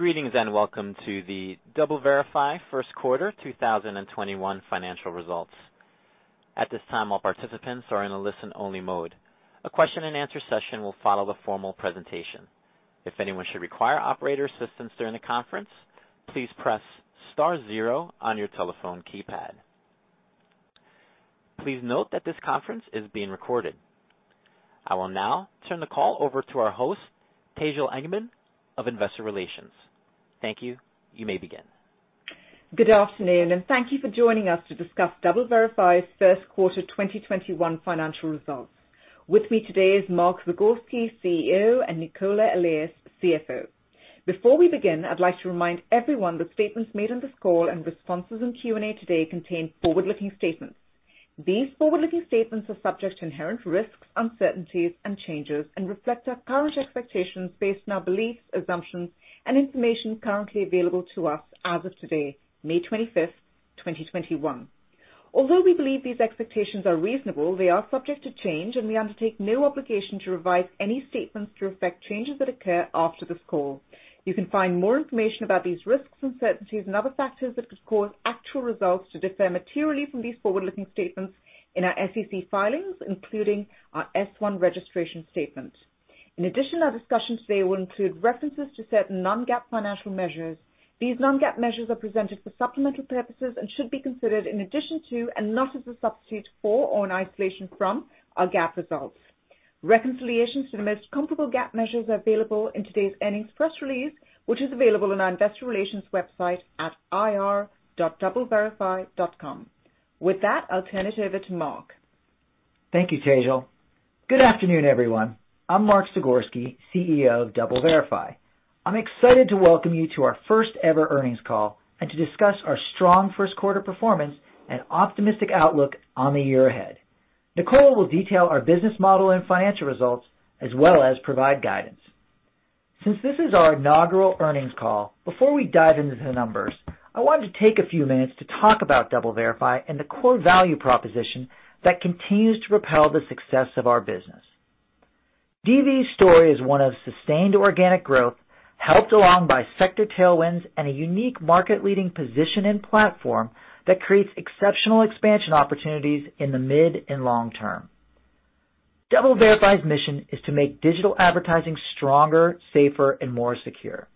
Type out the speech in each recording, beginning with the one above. Greetings and welcome to the DoubleVerify first quarter 2021 financial results. At this time, all participants are in a listen-only mode. A question-and-answer session will follow the formal presentation. If anyone should require operator assistance during the conference, please press star zero on your telephone keypad. Please note that this conference is being recorded. I will now turn the call over to our host, Tejal Engman of Investor Relations. Thank you. You may begin. Good afternoon, and thank you for joining us to discuss DoubleVerify's first quarter 2021 financial results. With me today is Mark Zagorski, CEO, and Nicola Allais, CFO. Before we begin, I'd like to remind everyone that statements made on this call and responses in Q&A today contain forward-looking statements. These forward-looking statements are subject to inherent risks, uncertainties and changes and reflect our current expectations based on our beliefs, assumptions and information currently available to us as of today, May 25th, 2021. Although we believe these expectations are reasonable, they are subject to change, and we undertake no obligation to revise any statements to reflect changes that occur after this call. You can find more information about these risks, uncertainties and other factors that could cause actual results to differ materially from these forward-looking statements in our SEC filings, including our Form S-1 registration statement. In addition, our discussion today will include references to certain non-GAAP financial measures. These non-GAAP measures are presented for supplemental purposes and should be considered in addition to, and not as a substitute for or an isolation, from our GAAP results. Reconciliations to the most comparable GAAP measures are available in today's earnings press release, which is available on our Investor Relations website at ir.doubleverify.com. With that, I'll turn it over to Mark. Thank you, Tejal. Good afternoon, everyone. I'm Mark Zagorski, CEO of DoubleVerify. I'm excited to welcome you to our first ever earnings call and to discuss our strong first quarter performance and optimistic outlook on the year ahead. Nicola will detail our business model and financial results as well as provide guidance. Since this is our inaugural earnings call, before we dive into the numbers, I wanted to take a few minutes to talk about DoubleVerify and the core value proposition that continues to propel the success of our business. DV's story is one of sustained organic growth, helped along by sector tailwinds and a unique market-leading position and platform that creates exceptional expansion opportunities in the mid and long term. DoubleVerify's mission is to make digital advertising stronger, safer, and more secure.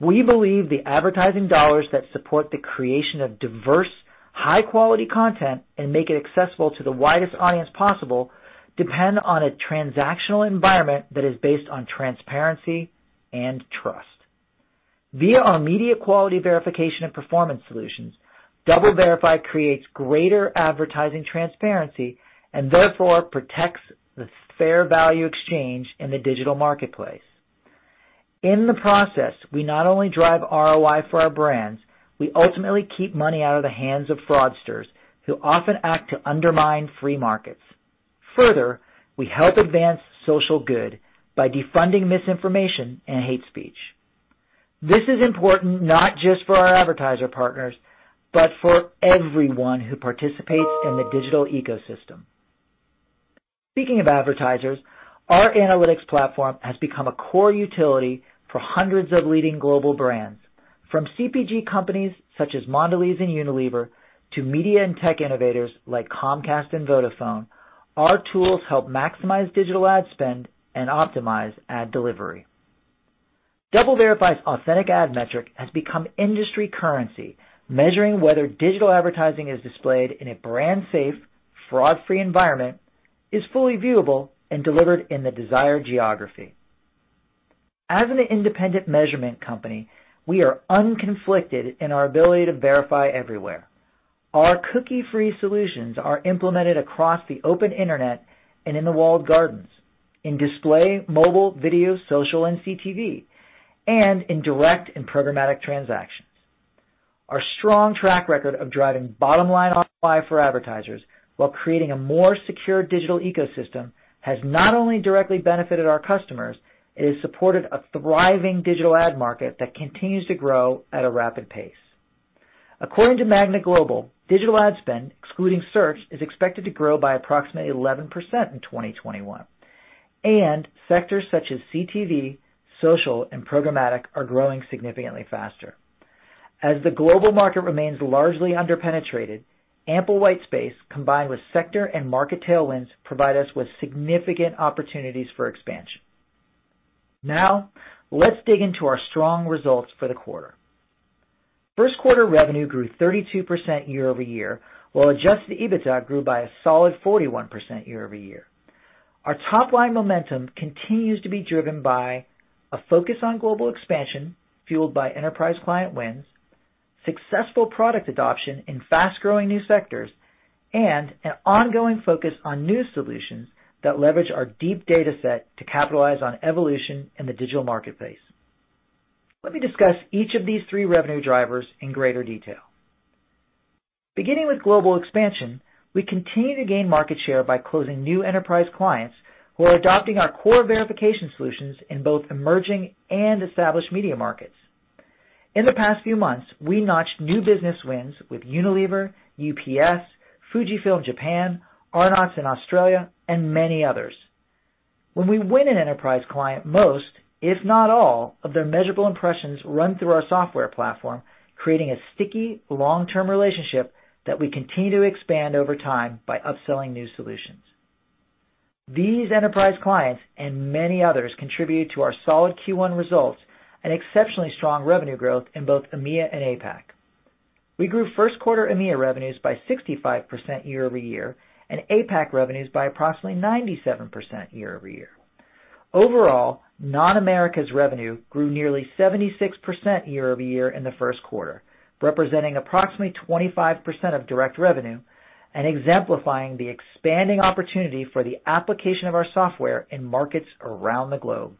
We believe the advertising dollars that support the creation of diverse, high-quality content and make it accessible to the widest audience possible depend on a transactional environment that is based on transparency and trust. Via our media quality verification and performance solutions, DoubleVerify creates greater advertising transparency and therefore protects the fair value exchange in the digital marketplace. In the process, we not only drive ROI for our brands, we ultimately keep money out of the hands of fraudsters who often act to undermine free markets. Further, we help advance social good by defunding misinformation and hate speech. This is important not just for our advertiser partners, but for everyone who participates in the digital ecosystem. Speaking of advertisers, our analytics platform has become a core utility for hundreds of leading global brands. From CPG companies such as Mondelēz and Unilever to media and tech innovators like Comcast and Vodafone, our tools help maximize digital ad spend and optimize ad delivery. DoubleVerify's Authentic Ad metric has become industry currency, measuring whether digital advertising is displayed in a brand safe, fraud-free environment, is fully viewable and delivered in the desired geography. As an independent measurement company, we are unconflicted in our ability to verify everywhere. Our cookie-free solutions are implemented across the open internet and in the walled gardens, in display, mobile, video, social and CTV, and in direct and programmatic transactions. Our strong track record of driving bottom-line ROI for advertisers while creating a more secure digital ecosystem has not only directly benefited our customers, it has supported a thriving digital ad market that continues to grow at a rapid pace. According to Magna Global, digital ad spend, excluding search, is expected to grow by approximately 11% in 2021, and sectors such as CTV, social and programmatic are growing significantly faster. As the global market remains largely under-penetrated, ample white space, combined with sector and market tailwinds, provide us with significant opportunities for expansion. Now, let's dig into our strong results for the quarter. First quarter revenue grew 32% year-over-year, while Adjusted EBITDA grew by a solid 41% year-over-year. Our top-line momentum continues to be driven by a focus on global expansion fueled by enterprise client wins, successful product adoption in fast-growing new sectors, and an ongoing focus on new solutions that leverage our deep data set to capitalize on evolution in the digital marketplace. Let me discuss each of these three revenue drivers in greater detail. Beginning with global expansion, we continue to gain market share by closing new enterprise clients who are adopting our core verification solutions in both emerging and established media markets. In the past few months, we notched new business wins with Unilever, UPS, Fujifilm Japan, Arnott's in Australia, and many others. When we win an enterprise client, most, if not all, of their measurable impressions run through our software platform, creating a sticky long-term relationship that we continue to expand over time by upselling new solutions. These enterprise clients and many others contribute to our solid Q1 results and exceptionally strong revenue growth in both EMEA and APAC. We grew first quarter EMEA revenues by 65% year-over-year and APAC revenues by approximately 97% year-over-year. Overall, non-Americas revenue grew nearly 76% year-over-year in the first quarter, representing approximately 25% of direct revenue and exemplifying the expanding opportunity for the application of our software in markets around the globe.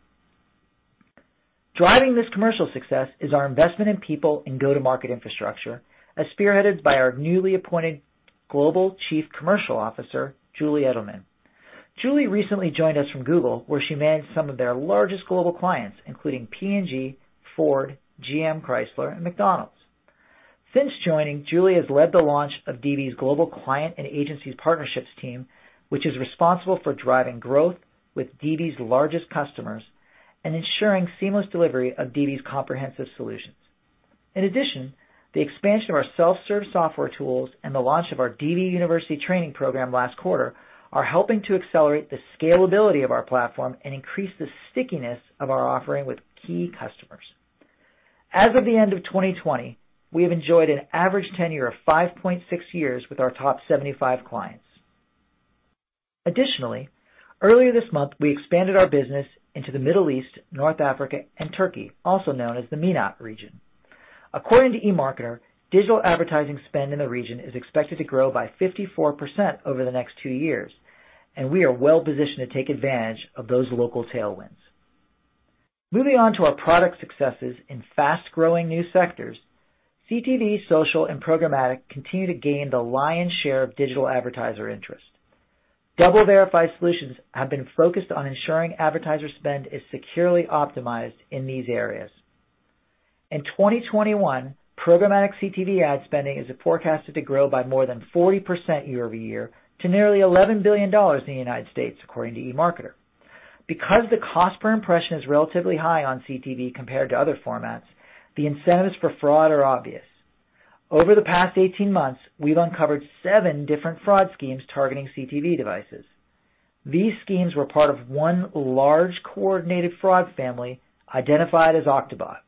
Driving this commercial success is our investment in people and go-to-market infrastructure as spearheaded by our newly-appointed Global Chief Commercial Officer, Julie Eddleman. Julie recently joined us from Google where she managed some of their largest global clients, including P&G, Ford, GM, Chrysler, and McDonald's. Since joining, Julie has led the launch of DV's Global Client and Agencies Partnerships team, which is responsible for driving growth with DV's largest customers and ensuring seamless delivery of DV's comprehensive solutions. In addition, the expansion of our self-serve software tools and the launch of our DV University training program last quarter are helping to accelerate the scalability of our platform and increase the stickiness of our offering with key customers. As of the end of 2020, we have enjoyed an average tenure of 5.6 years with our top 75 clients. Additionally, earlier this month, we expanded our business into the Middle East, North Africa, and Turkey, also known as the MENAT region. According to EMARKETER, digital advertising spend in the region is expected to grow by 54% over the next two years, and we are well-positioned to take advantage of those local tailwinds. Moving on to our product successes in fast-growing new sectors. CTV, social, and programmatic continue to gain the lion's share of digital advertiser interest. DoubleVerify solutions have been focused on ensuring advertiser spend is securely optimized in these areas. In 2021, programmatic CTV ad spending is forecasted to grow by more than 40% year-over-year to nearly $11 billion in the U.S., according to EMARKETER. Because the cost per impression is relatively high on CTV compared to other formats, the incentives for fraud are obvious. Over the past 18 months, we've uncovered seven different fraud schemes targeting CTV devices. These schemes were part of one large coordinated fraud family identified as OctoBot,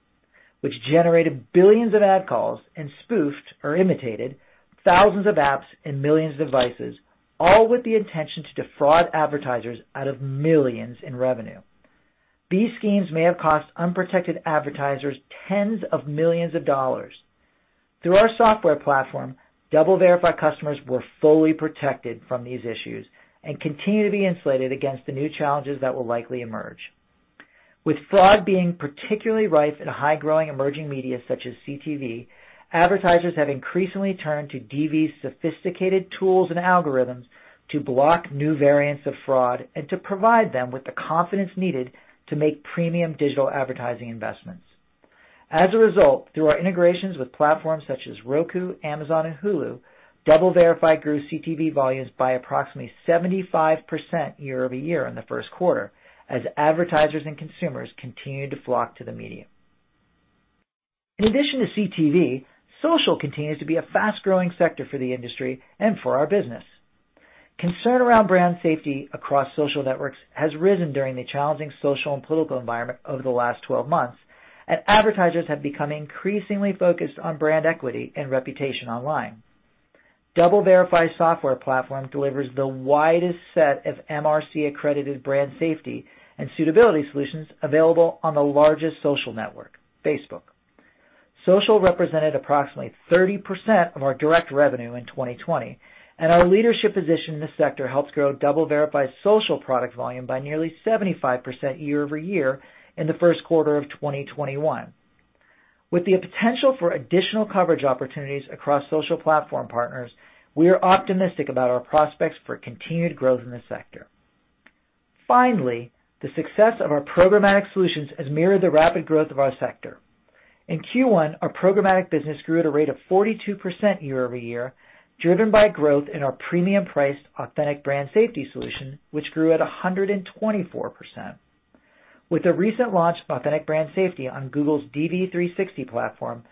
which generated billions of ad calls and spoofed or imitated thousands of apps and millions of devices, all with the intention to defraud advertisers out of millions in revenue. These schemes may have cost unprotected advertisers tens of millions of dollars. Through our software platform, DoubleVerify customers were fully-protected from these issues and continue to be insulated against the new challenges that will likely emerge. With fraud being particularly rife in high-growing emerging media such as CTV, advertisers have increasingly turned to DV's sophisticated tools and algorithms to block new variants of fraud and to provide them with the confidence needed to make premium digital advertising investments. As a result, through our integrations with platforms such as Roku, Amazon, and Hulu, DoubleVerify grew CTV volumes by approximately 75% year-over-year in the first quarter as advertisers and consumers continued to flock to the medium. In addition to CTV, social continues to be a fast-growing sector for the industry and for our business. Concern around brand safety across social networks has risen during the challenging social and political environment over the last 12 months. Advertisers have become increasingly focused on brand equity and reputation online. DoubleVerify's software platform delivers the widest set of MRC-accredited brand safety and suitability solutions available on the largest social network, Facebook. Social represented approximately 30% of our direct revenue in 2020. Our leadership position in this sector helped grow DoubleVerify's social product volume by nearly 75% year-over-year in the first quarter of 2021. With the potential for additional coverage opportunities across social platform partners, we are optimistic about our prospects for continued growth in this sector. The success of our programmatic solutions has mirrored the rapid growth of our sector. In Q1, our programmatic business grew at a rate of 42% year-over-year, driven by growth in our premium-priced Authentic Brand Safety solution, which grew at 124%. With the recent launch of Authentic Brand Safety on Google's DV360 platform,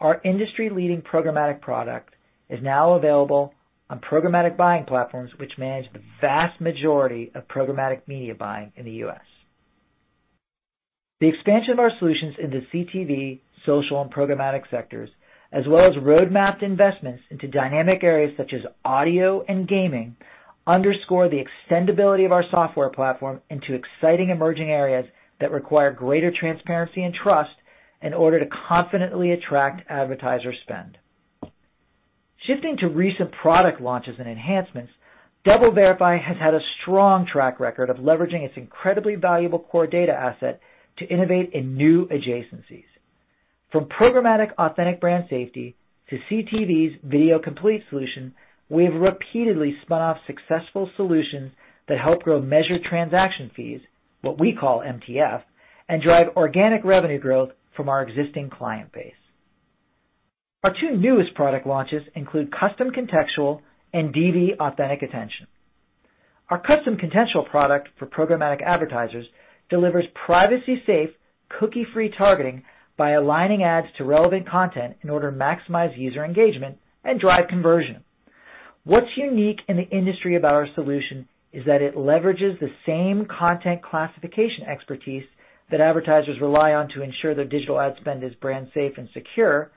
our industry-leading programmatic product is now available on programmatic buying platforms which manage the vast majority of programmatic media buying in the U.S. The expansion of our solutions into CTV, social, and programmatic sectors, as well as road-mapped investments into dynamic areas such as audio and gaming, underscore the extendability of our software platform into exciting emerging areas that require greater transparency and trust in order to confidently attract advertiser spend. Shifting to recent product launches and enhancements, DoubleVerify has had a strong track record of leveraging its incredibly valuable core data asset to innovate in new adjacencies. From programmatic Authentic Brand Safety to CTV's Video Complete solution, we have repeatedly spun off successful solutions that help grow measured transaction fees, what we call MTF, and drive organic revenue growth from our existing client base. Our two newest product launches include Custom Contextual and DV Authentic Attention. Our Custom Contextual product for programmatic advertisers delivers privacy-safe, cookie-free targeting by aligning ads to relevant content in order to maximize user engagement and drive conversion. What's unique in the industry about our solution is that it leverages the same content classification expertise that advertisers rely on to ensure their digital ad spend is brand-safe and secure,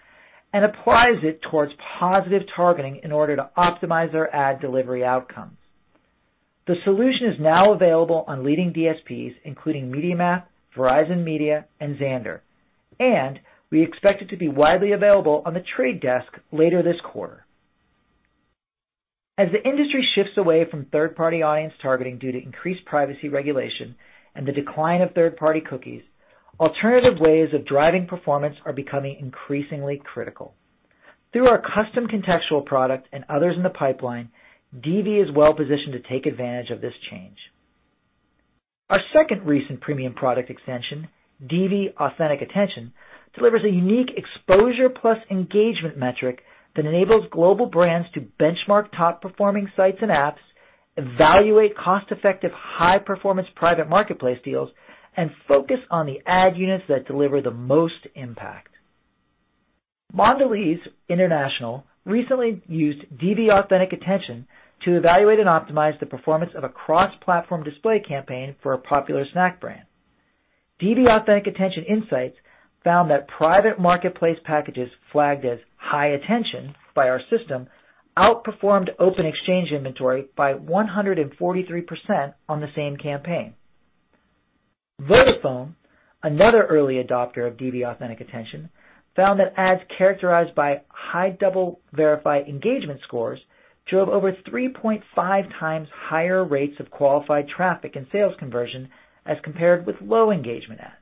and applies it towards positive targeting in order to optimize their ad delivery outcomes. The solution is now available on leading DSPs, including MediaMath, Verizon Media, and Xandr, and we expect it to be widely available on The Trade Desk later this quarter. As the industry shifts away from third-party audience targeting due to increased privacy regulation and the decline of third-party cookies, alternative ways of driving performance are becoming increasingly critical. Through our Custom Contextual product and others in the pipeline, DV is well-positioned to take advantage of this change. Our second recent premium product extension, DV Authentic Attention, delivers a unique exposure plus engagement metric that enables global brands to benchmark top-performing sites and apps, evaluate cost-effective high-performance private marketplace deals, and focus on the ad units that deliver the most impact. Mondelēz International recently used DV Authentic Attention to evaluate and optimize the performance of a cross-platform display campaign for a popular snack brand. DV Authentic Attention insights found that private marketplace packages flagged as high attention by our system outperformed open exchange inventory by 143% on the same campaign. Vodafone, another early adopter of DV Authentic Attention, found that ads characterized by high DoubleVerify engagement scores drove over 3.5 times higher rates of qualified traffic and sales conversion as compared with low engagement ads.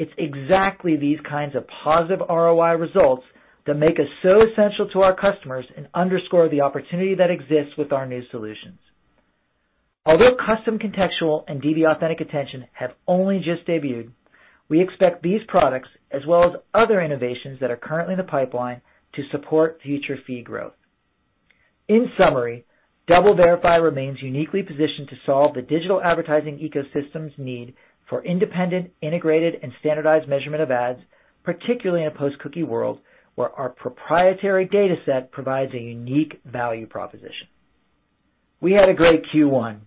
It's exactly these kinds of positive ROI results that make us so essential to our customers and underscore the opportunity that exists with our new solutions. Although Custom Contextual and DV Authentic Attention have only just debuted, we expect these products, as well as other innovations that are currently in the pipeline, to support future fee growth. In summary, DoubleVerify remains uniquely positioned to solve the digital advertising ecosystem's need for independent, integrated, and standardized measurement of ads, particularly in a post-cookie world where our proprietary data set provides a unique value proposition. We had a great Q1,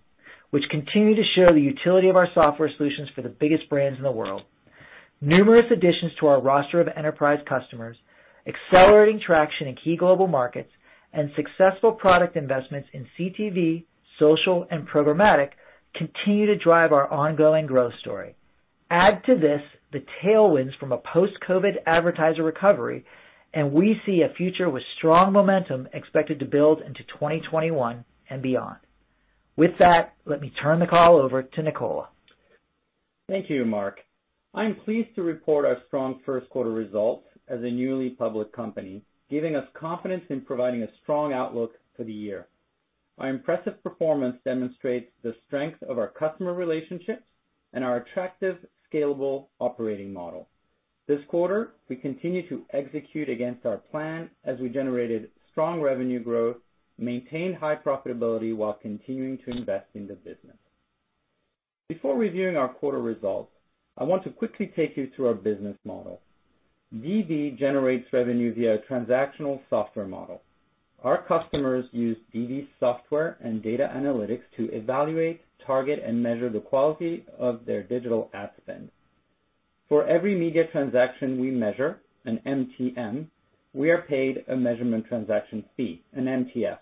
which continued to show the utility of our software solutions for the biggest brands in the world. Numerous additions to our roster of enterprise customers, accelerating traction in key global markets, and successful product investments in CTV, social, and programmatic continue to drive our ongoing growth story. Add to this the tailwinds from a post-COVID advertiser recovery, we see a future with strong momentum expected to build into 2021 and beyond. With that, let me turn the call over to Nicola. Thank you, Mark. I'm pleased to report our strong first quarter results as a newly public company, giving us confidence in providing a strong outlook for the year. Our impressive performance demonstrates the strength of our customer relationships and our attractive, scalable operating model. This quarter, we continued to execute against our plan as we generated strong revenue growth, maintained high profitability while continuing to invest in the business. Before reviewing our quarter results, I want to quickly take you through our business model. DV generates revenue via a transactional software model. Our customers use DV's software and data analytics to evaluate, target, and measure the quality of their digital ad spend. For every media transaction we measure, an MTM, we are paid a measurement transaction fee, an MTF.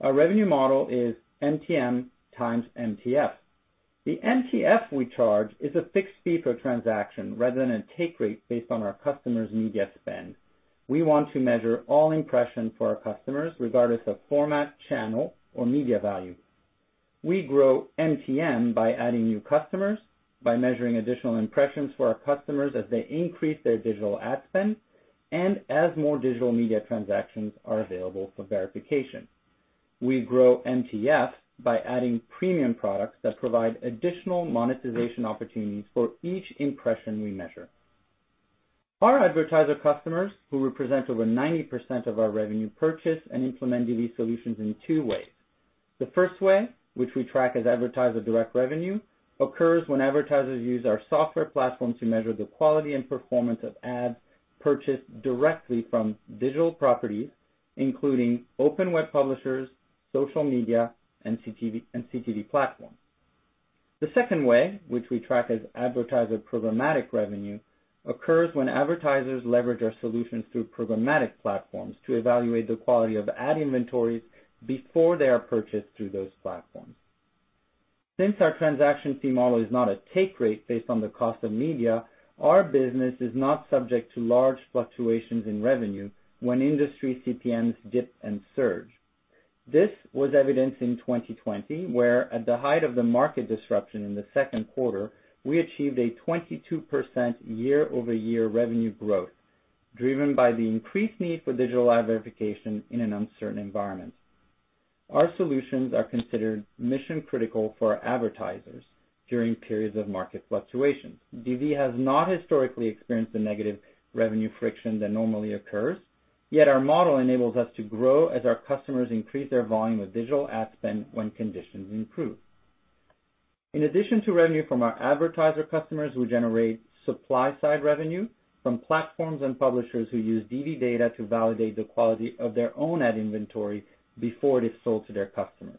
Our revenue model is MTM x MTF. The MTF we charge is a fixed-fee per transaction rather than a take rate based on our customer's media spend. We want to measure all impressions for our customers regardless of format, channel, or media value. We grow MTM by adding new customers, by measuring additional impressions for our customers as they increase their digital ad spend, and as more digital media transactions are available for verification. We grow MTF by adding premium products that provide additional monetization opportunities for each impression we measure. Our advertiser customers, who represent over 90% of our revenue, purchase and implement DV solutions in two ways. The first way, which we track as advertiser direct revenue, occurs when advertisers use our software platform to measure the quality and performance of ads purchased directly from digital properties, including open web publishers, social media, and CTV, and CTV platforms. The second way, which we track as advertiser programmatic revenue, occurs when advertisers leverage our solutions through programmatic platforms to evaluate the quality of ad inventories before they are purchased through those platforms. Since our transaction fee model is not a take rate based on the cost of media, our business is not subject to large fluctuations in revenue when industry CPMs dip and surge. This was evidenced in 2020, where at the height of the market disruption in the second quarter, we achieved a 22% year-over-year revenue growth, driven by the increased need for digital ad verification in an uncertain environment. Our solutions are considered mission-critical for advertisers during periods of market fluctuations. DV has not historically experienced the negative revenue friction that normally occurs, yet our model enables us to grow as our customers increase their volume of digital ad spend when conditions improve. In addition to revenue from our advertiser customers, we generate supply-side revenue from platforms and publishers who use DV data to validate the quality of their own ad inventory before it is sold to their customers.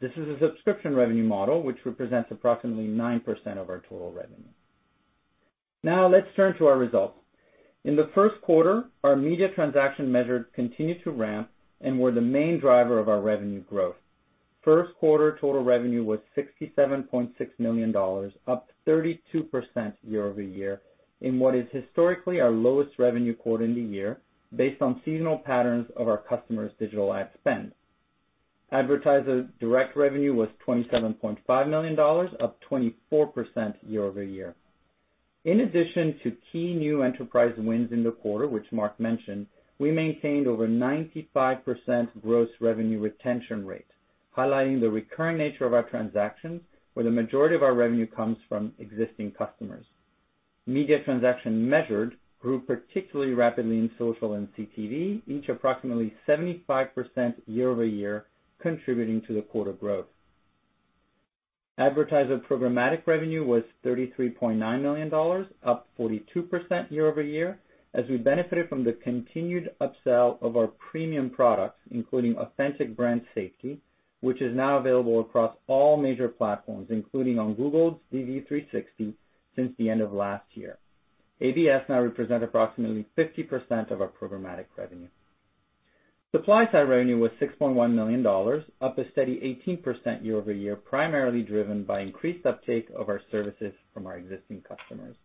This is a subscription revenue model, which represents approximately 9% of our total revenue. Let's turn to our results. In the first quarter, our media transaction measured continued to ramp and were the main driver of our revenue growth. First quarter total revenue was $67.6 million, up 32% year-over-year in what is historically our lowest revenue quarter in the year based on seasonal patterns of our customers' digital ad spend. Advertiser direct revenue was $27.5 million, up 24% year-over-year. In addition to key new enterprise wins in the quarter, which Mark mentioned, we maintained over 95% gross revenue retention rate, highlighting the recurring nature of our transactions where the majority of our revenue comes from existing customers. Media Transactions Measured grew particularly rapidly in social and CTV, each approximately 75% year-over-year contributing to the quarter growth. Advertiser programmatic revenue was $33.9 million, up 42% year-over-year as we benefited from the continued upsell of our premium products, including Authentic Brand Safety, which is now available across all major platforms, including on Google's DV360 since the end of last year. ABS now represent approximately 50% of our programmatic revenue. Supply-side revenue was $6.1 million, up a steady 18% year-over-year, primarily driven by increased uptake of our services from our existing customers.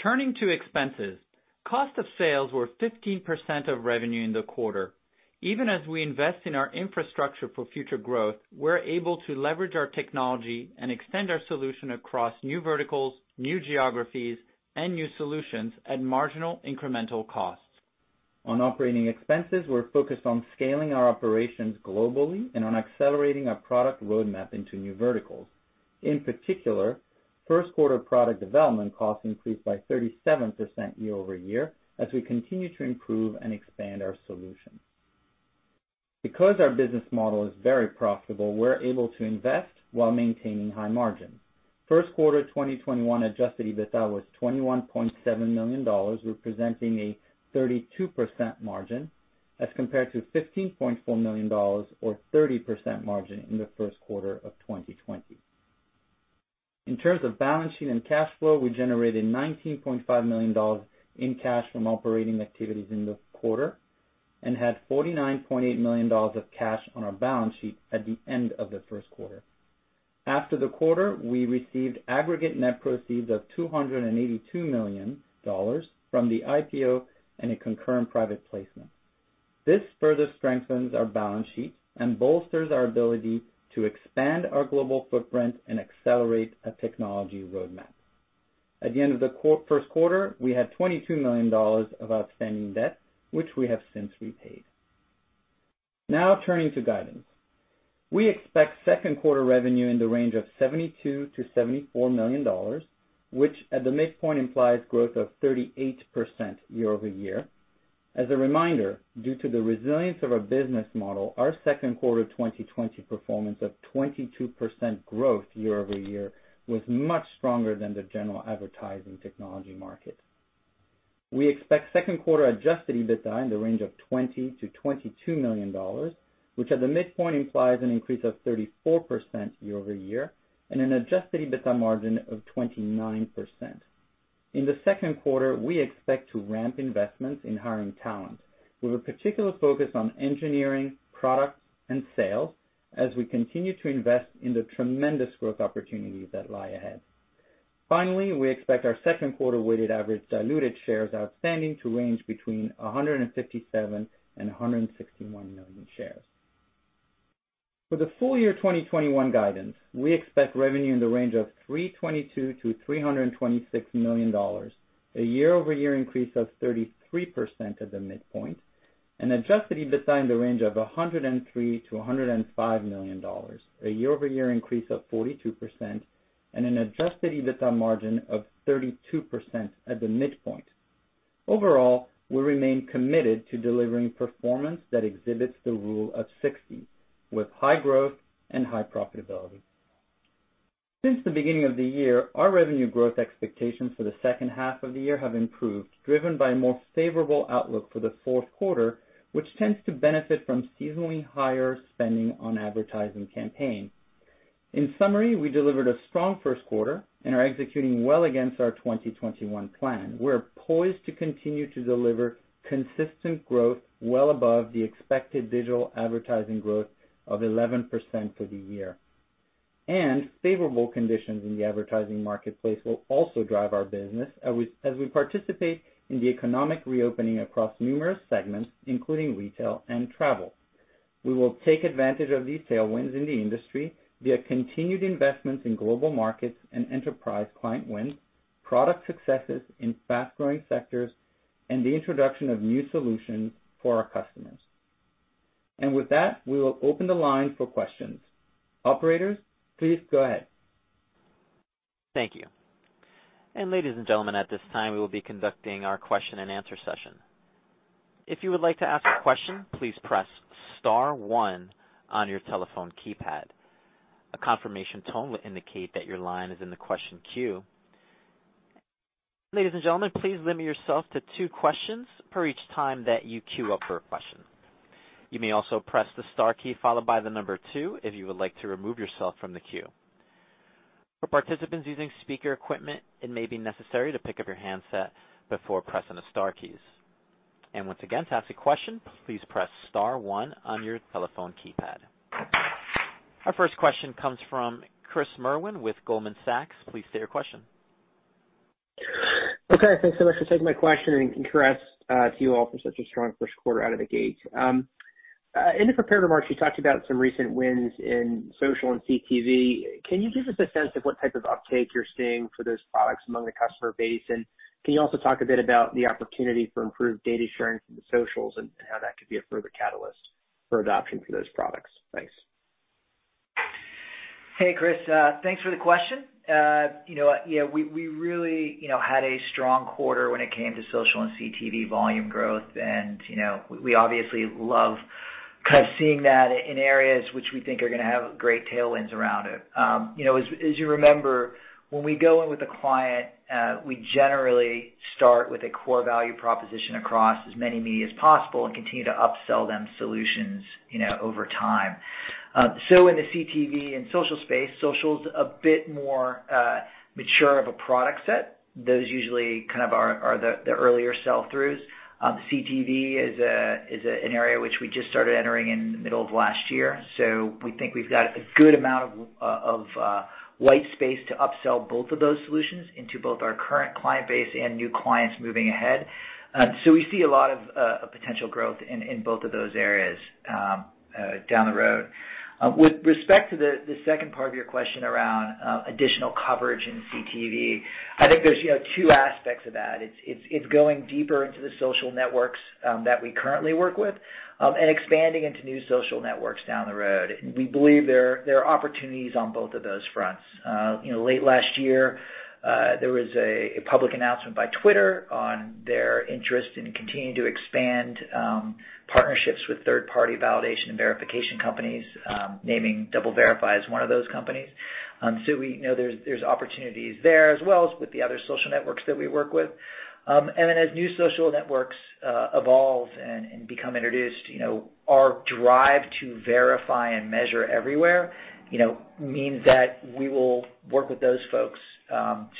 Turning to expenses, cost of sales were 15% of revenue in the quarter. Even as we invest in our infrastructure for future growth, we're able to leverage our technology and extend our solution across new verticals, new geographies, and new solutions at marginal incremental costs. On operating expenses, we're focused on scaling our operations globally and on accelerating our product roadmap into new verticals. In particular, first quarter product development costs increased by 37% year-over-year as we continue to improve and expand our solutions. Because our business model is very profitable, we're able to invest while maintaining high margins. First quarter 2021 Adjusted EBITDA was $21.7 million, representing a 32% margin as compared to $15.4 million or 30% margin in the first quarter of 2020. In terms of balance sheet and cash flow, we generated $19.5 million in cash from operating activities in the quarter and had $49.8 million of cash on our balance sheet at the end of the first quarter. After the quarter, we received aggregate net proceeds of $282 million from the IPO and a concurrent private placement. This further strengthens our balance sheet and bolsters our ability to expand our global footprint and accelerate a technology roadmap. At the end of the first quarter, we had $22 million of outstanding debt, which we have since repaid. Now turning to guidance. We expect second quarter revenue in the range of $72 million-$74 million, which at the midpoint implies growth of 38% year-over-year. As a reminder, due to the resilience of our business model, our second quarter 2020 performance of 22% growth year-over-year was much stronger than the general advertising technology market. We expect second quarter Adjusted EBITDA in the range of $20 million-$22 million, which at the midpoint implies an increase of 34% year-over-year and an Adjusted EBITDA margin of 29%. In the second quarter, we expect to ramp investments in hiring talent with a particular focus on engineering, product, and sales as we continue to invest in the tremendous growth opportunities that lie ahead. Finally, we expect our second quarter weighted average diluted shares outstanding to range between 157 million and 161 million shares. For the full year 2021 guidance, we expect revenue in the range of $322 million-$326 million, a year-over-year increase of 33% at the midpoint, an Adjusted EBITDA in the range of $103 million-$105 million, a year-over-year increase of 42%, and an Adjusted EBITDA margin of 32% at the midpoint. Overall, we remain committed to delivering performance that exhibits the Rule of 60 with high growth and high profitability. Since the beginning of the year, our revenue growth expectations for the second half of the year have improved, driven by a more favorable outlook for the fourth quarter, which tends to benefit from seasonally higher spending on advertising campaigns. In summary, we delivered a strong first quarter and are executing well against our 2021 plan. We're poised to continue to deliver consistent growth well above the expected digital advertising growth of 11% for the year. Favorable conditions in the advertising marketplace will also drive our business as we participate in the economic reopening across numerous segments, including retail and travel. We will take advantage of these tailwinds in the industry via continued investments in global markets and enterprise client wins, product successes in fast-growing sectors, and the introduction of new solutions for our customers. With that, we will open the line for questions. Operator, please go ahead. Thank you. Ladies and gentlemen, at this time we will be conducting our question-and-answer session. If you would like to ask a question, please press star one on your telephone keypad. A confirmation tone will indicate that your line is in the question queue. Ladies and gentlemen, please limit yourself to two questions per each time that you queue up for a question. You may also press the star key followed by the number two if you would like to remove yourself from the queue. For participants using speaker equipment, it may be necessary to pick up your handset before pressing the star keys. Once again, to ask a question, please press star one on your telephone keypad. Our first question comes from Chris Merwin with Goldman Sachs. Please state your question. Okay. Thanks so much for taking my question. Congrats to you all for such a strong first quarter out of the gate. In the prepared remarks, you talked about some recent wins in social and CTV. Can you give us a sense of what type of uptake you're seeing for those products among the customer base? Can you also talk a bit about the opportunity for improved data sharing from the socials and how that could be a further catalyst for adoption for those products? Thanks. Hey, Chris. Thanks for the question. You know, yeah, we really, you know, had a strong quarter when it came to social and CTV volume growth. We obviously love kind of seeing that in areas which we think are gonna have great tailwinds around it. You know, as you remember, when we go in with a client, we generally start with a core value proposition across as many media as possible and continue to upsell them solutions, you know, over time. In the CTV and social space, social's a bit more mature of a product set. Those usually kind of are the earlier sell-throughs. CTV is a an area which we just started entering in the middle of last year. We think we've got a good amount of white space to upsell both of those solutions into both our current client base and new clients moving ahead. We see a lot of potential growth in both of those areas down the road. With respect to the second part of your question around additional coverage in CTV, I think there's, you know, two aspects of that. It's going deeper into the social networks that we currently work with and expanding into new social networks down the road. We believe there are opportunities on both of those fronts. You know, late last year, there was a public announcement by Twitter on their interest in continuing to expand partnerships with third-party validation and verification companies, naming DoubleVerify as one of those companies. We know there's opportunities there, as well as with the other social networks that we work with. Then as new social networks evolve and become introduced, you know, our drive to verify and measure everywhere, you know, means that we will work with those folks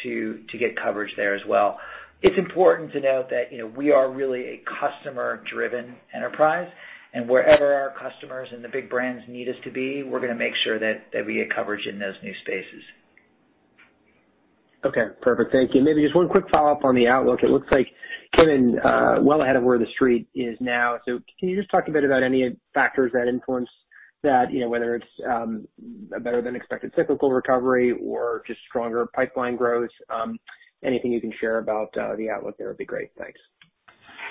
to get coverage there as well. It's important to note that, you know, we are really a customer-driven enterprise, and wherever our customers and the big brands need us to be, we're gonna make sure that we get coverage in those new spaces. Okay. Perfect. Thank you. Maybe just one quick follow-up on the outlook. It looks like coming well ahead of where the street is now. Can you just talk a bit about any factors that influence that, you know, whether it's a better than expected cyclical recovery or just stronger pipeline growth? Anything you can share about the outlook there would be great. Thanks.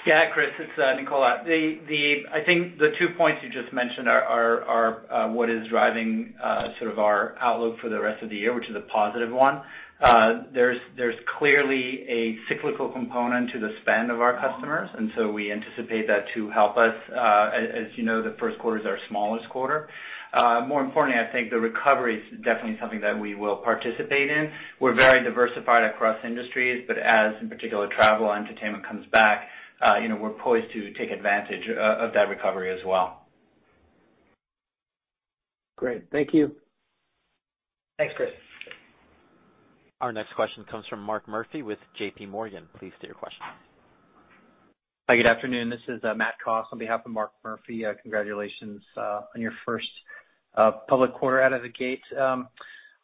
Yeah, Chris, it's Nicola. The two points you just mentioned are what is driving sort of our outlook for the rest of the year, which is a positive one. There's clearly a cyclical component to the spend of our customers, we anticipate that to help us. As you know, the first quarter is our smallest quarter. More importantly, I think the recovery is definitely something that we will participate in. We're very diversified across industries, as in particular travel, entertainment comes back, you know, we're poised to take advantage of that recovery as well. Great. Thank you. Thanks, Chris. Our next question comes from Mark Murphy with JPMorgan. Please state your question. Hi, good afternoon. This is Matt Coss on behalf of Mark Murphy. Congratulations on your first public quarter out of the gate.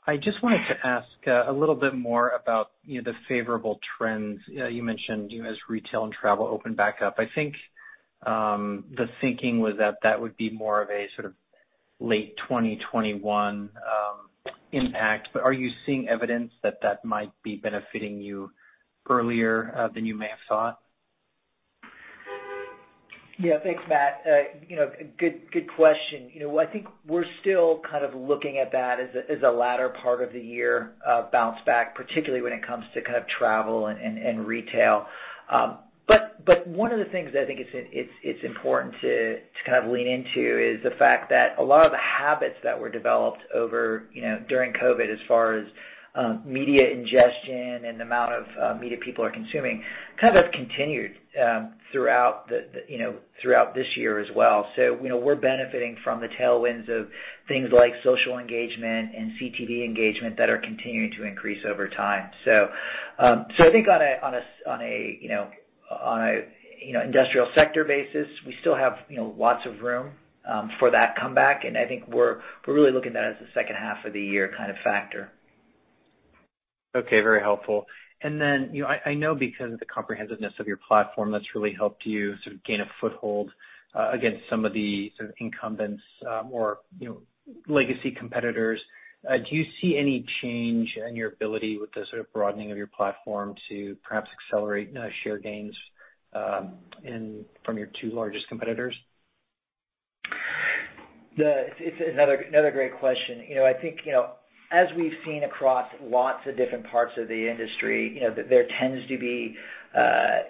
I just wanted to ask a little bit more about, you know, the favorable trends. You mentioned, you know, as retail and travel open back up, I think, the thinking was that that would be more of a sort of late 2021 impact. Are you seeing evidence that that might be benefiting you earlier than you may have thought? Yeah. Thanks, Matt. You know, good question. You know, I think we're still kind of looking at that as a latter part of the year bounce back, particularly when it comes to kind of travel and retail. One of the things that I think it's important to kind of lean into is the fact that a lot of the habits that were developed over, you know, during COVID as far as media ingestion and the amount of media people are consuming kind of have continued throughout the, you know, throughout this year as well. You know, we're benefiting from the tailwinds of things like social engagement and CTV engagement that are continuing to increase over time. I think on a, you know, industrial sector basis, we still have, you know, lots of room for that comeback. I think we're really looking at that as a second half of the year kind of factor. Okay, very helpful. I know because of the comprehensiveness of your platform that's really helped you sort of gain a foothold against some of the sort of incumbents, or, you know, legacy competitors. Do you see any change in your ability with the sort of broadening of your platform to perhaps accelerate share gains in, from your two largest competitors? It's another great question. I think, you know, as we've seen across lots of different parts of the industry, you know, there tends to be,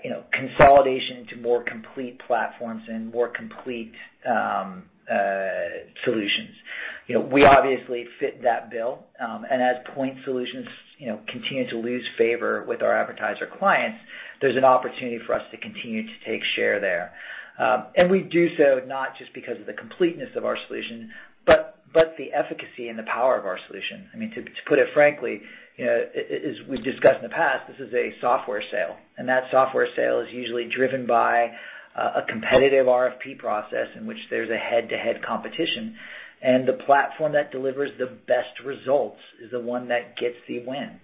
you know, consolidation to more complete platforms and more complete solutions. You know, we obviously fit that bill. As point solutions, you know, continue to lose favor with our advertiser clients, there's an opportunity for us to continue to take share there. We do so not just because of the completeness of our solution, but the efficacy and the power of our solution. I mean, to put it frankly, you know, as we've discussed in the past, this is a software sale, and that software sale is usually driven by a competitive RFP process in which there's a head-to-head competition. The platform that delivers the best results is the one that gets the win.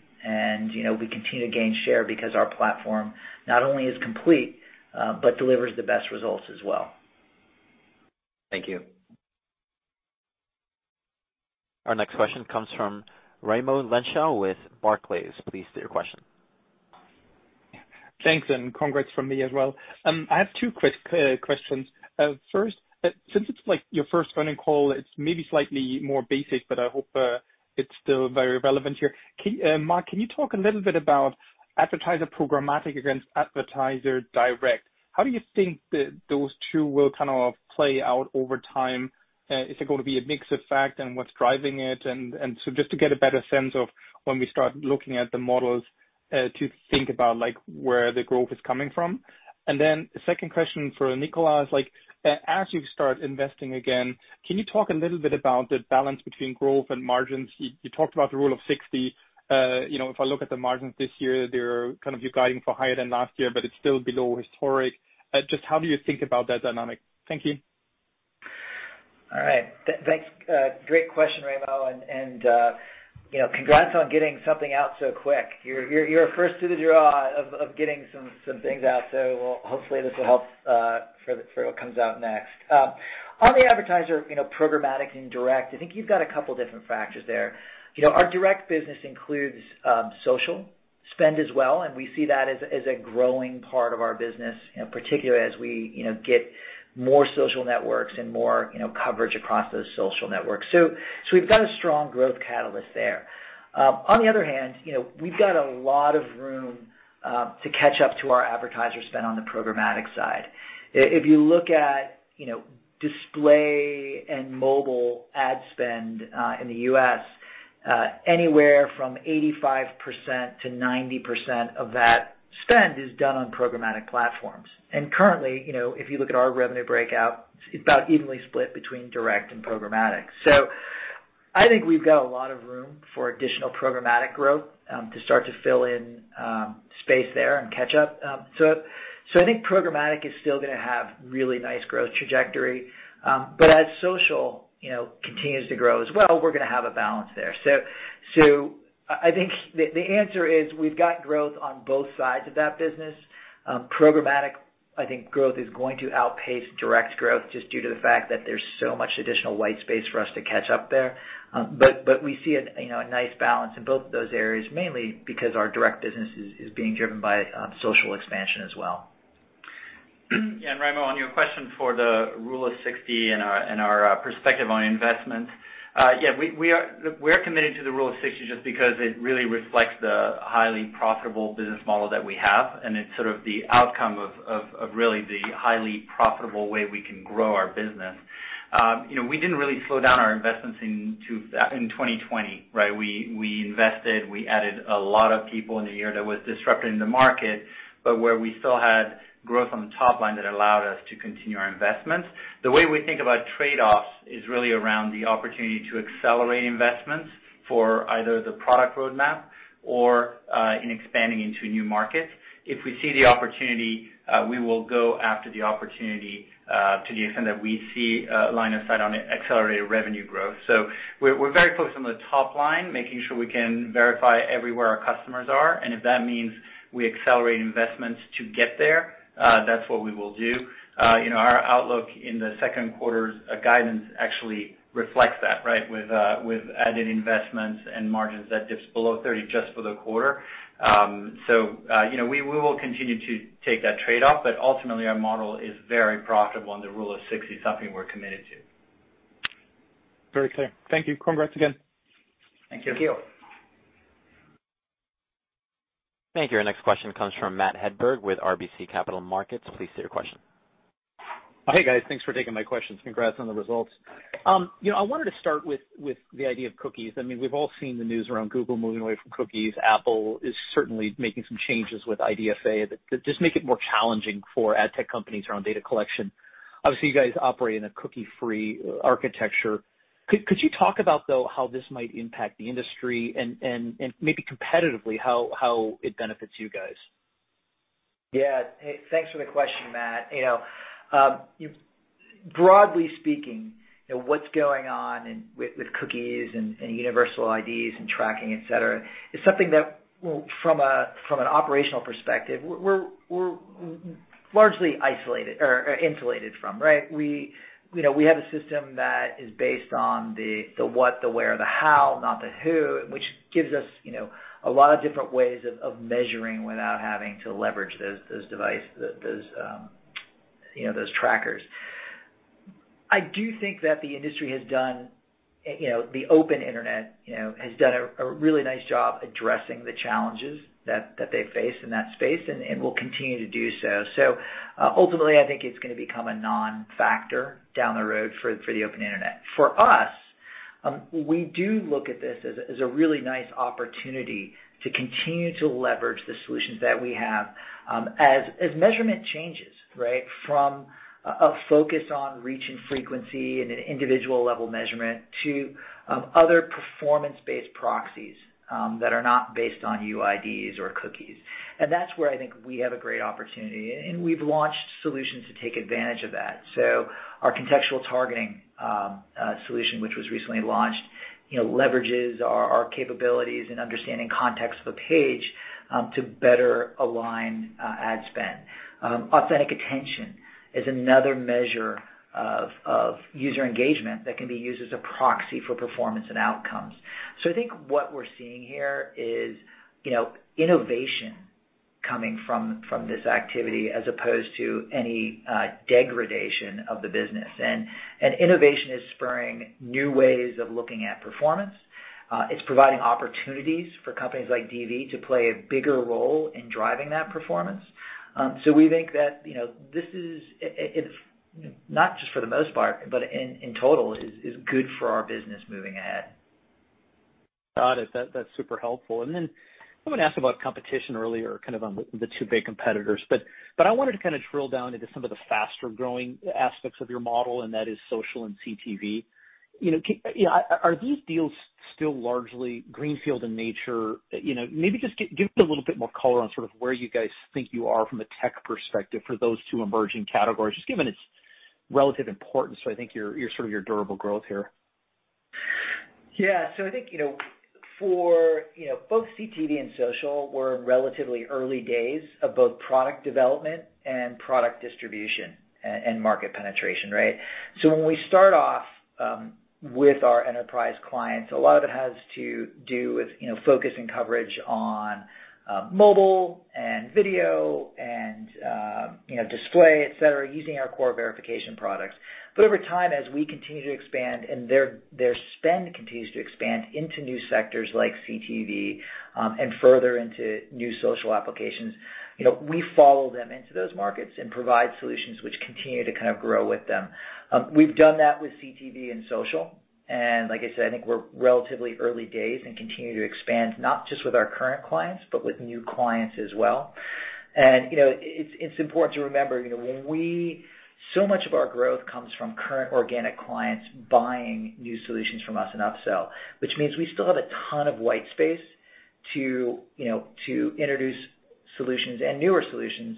You know, we continue to gain share because our platform not only is complete, but delivers the best results as well. Thank you. Our next question comes from Raimo Lenschow with Barclays. Please state your question. Thanks, congrats from me as well. I have two quick questions. First, since it's, like, your first phone and call, it's maybe slightly more basic, but I hope it's still very relevant here. Mark, can you talk a little bit about advertiser programmatic against advertiser direct? How do you think those two will kind of play out over time? Is it gonna be a mix effect and what's driving it? Just to get a better sense of when we start looking at the models, to think about, like, where the growth is coming from. The second question for Nicola is like, as you start investing again, can you talk a little bit about the balance between growth and margins? You talked about the Rule of 60. You know, if I look at the margins this year, they're kind of guiding for higher than last year, but it's still below historic. Just how do you think about that dynamic? Thank you. All right. Thanks. Great question, Raimo, and, you know, congrats on getting something out so quick. You're first to the draw of getting some things out, hopefully this will help for what comes out next. On the advertiser, you know, programmatic and direct, I think you've got a couple different factors there. You know, our direct business includes social spend as well, we see that as a growing part of our business, you know, particularly as we, you know, get more social networks and more, you know, coverage across those social networks. We've got a strong growth catalyst there. On the other hand, you know, we've got a lot of room to catch up to our advertiser spend on the programmatic side. If you look at, you know, display and mobile ad spend, in the U.S., anywhere from 85% to 90% of that spend is done on programmatic platforms. Currently, you know, if you look at our revenue breakout, it's about evenly split between direct and programmatic. I think we've got a lot of room for additional programmatic growth, to start to fill in space there and catch up. I think programmatic is still gonna have really nice growth trajectory. As social, you know, continues to grow as well, we're gonna have a balance there. I think the answer is we've got growth on both sides of that business. Programmatic, I think growth is going to outpace direct growth just due to the fact that there's so much additional white space for us to catch up there. We see a, you know, a nice balance in both those areas, mainly because our direct business is being driven by social expansion as well. Raimo, on your question for the Rule of 60 and our perspective on investment, we're committed to the Rule of 60 just because it really reflects the highly profitable business model that we have, and it's sort of the outcome of really the highly profitable way we can grow our business. You know, we didn't really slow down our investments in 2020, right? We invested, we added a lot of people in a year that was disrupting the market, but where we still had growth on the top-line that allowed us to continue our investments. The way we think about trade-offs is really around the opportunity to accelerate investments for either the product roadmap or in expanding into new markets. If we see the opportunity, we will go after the opportunity to the extent that we see a line of sight on accelerated revenue growth. We're very focused on the top-line, making sure we can verify everywhere our customers are, and if that means we accelerate investments to get there, that's what we will do. You know, our outlook in the second quarter's guidance actually reflects that, right? With added investments and margins that dips below 30% just for the quarter. You know, we will continue to take that trade-off, but ultimately, our model is very profitable, and the Rule of 60 is something we're committed to. Very clear. Thank you. Congrats again. Thank you. Thank you. Thank you. Our next question comes from Matt Hedberg with RBC Capital Markets. Please state your question. Hey, guys. Thanks for taking my questions. Congrats on the results. You know, I wanted to start with the idea of cookies. I mean, we've all seen the news around Google moving away from cookies. Apple is certainly making some changes with IDFA that just make it more challenging for ad tech companies around data collection. Obviously, you guys operate in a cookie-free architecture. Could you talk about, though, how this might impact the industry and maybe competitively, how it benefits you guys? Yeah. Hey, thanks for the question, Matt. You know, broadly speaking, you know, what's going on in with cookies and universal IDs and tracking, et cetera, is something that from an operational perspective, we're largely isolated or insulated from, right? We have a system that is based on the what, the where, the how, not the who, which gives us, you know, a lot of different ways of measuring without having to leverage those device, those, you know, those trackers. I do think that the industry has done, you know, the open internet, you know, has done a really nice job addressing the challenges that they face in that space and will continue to do so. Ultimately, I think it's gonna become a non-factor down the road for the open internet. For us, we do look at this as a really nice opportunity to continue to leverage the solutions that we have as measurement changes, right? From a focus on reach and frequency and an individual level measurement to other performance-based proxies that are not based on UIDs or cookies. That's where I think we have a great opportunity and we've launched solutions to take advantage of that. Our Custom Contextual, which was recently launched, you know, leverages our capabilities in understanding context of a page to better align ad spend. Authentic Attention is another measure of user engagement that can be used as a proxy for performance and outcomes. I think what we're seeing here is, you know, innovation coming from this activity as opposed to any degradation of the business. Innovation is spurring new ways of looking at performance. It's providing opportunities for companies like DV to play a bigger role in driving that performance. We think that, you know, this is, it's not just for the most part, but in total is good for our business moving ahead. Got it. That's super helpful. Someone asked about competition earlier, kind of on the two big competitors, but I wanted to kind of drill down into some of the faster-growing aspects of your model, and that is social and CTV. You know, are these deals still largely greenfield in nature? You know, maybe just give a little bit more color on sort of where you guys think you are from a tech perspective for those two emerging categories, just given its relative importance to, I think, your sort of your durable growth here. I think, you know, for both CTV and social, we're in relatively early days of both product development and product distribution and market penetration, right? When we start off with our enterprise clients, a lot of it has to do with, you know, focus and coverage on mobile and video and, you know, display, et cetera, using our core verification products. Over time, as we continue to expand and their spend continues to expand into new sectors like CTV and further into new social applications, you know, we follow them into those markets and provide solutions which continue to kind of grow with them. We've done that with CTV and social, and like I said, I think we're relatively early days and continue to expand, not just with our current clients, but with new clients as well. You know, it's important to remember, you know, when so much of our growth comes from current organic clients buying new solutions from us and upsell, which means we still have a ton of white space to, you know, to newer solutions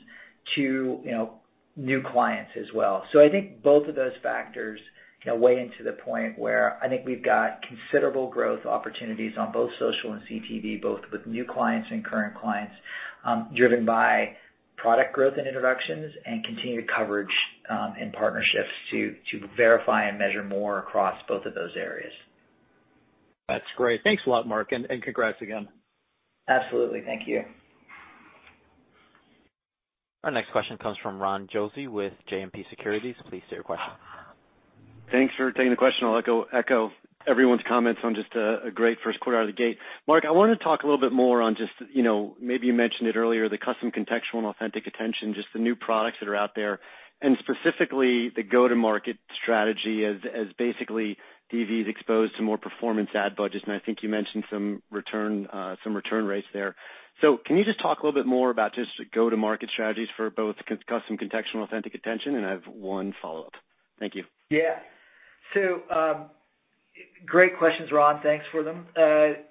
to, you know, new clients as well. I think both of those factors, you know, weigh into the point where I think we've got considerable growth opportunities on both social and CTV, both with new clients and current clients, driven by product growth and introductions and continued coverage, and partnerships to verify and measure more across both of those areas. That's great. Thanks a lot, Mark, and congrats again. Absolutely. Thank you. Our next question comes from Ron Josey with JMP Securities. Please state your question. Thanks for taking the question. I'll echo everyone's comments on just a great first quarter out of the gate. Mark, I wanted to talk a little bit more on just, you know, maybe you mentioned it earlier, the Custom Contextual and DV Authentic Attention, just the new products that are out there, and specifically the go-to-market strategy as basically DV is exposed to more performance ad budgets, and I think you mentioned some return rates there. Can you just talk a little bit more about just go-to-market strategies for both Custom Contextual and DV Authentic Attention? I have one follow-up. Thank you. Yeah. Great questions, Ron. Thanks for them.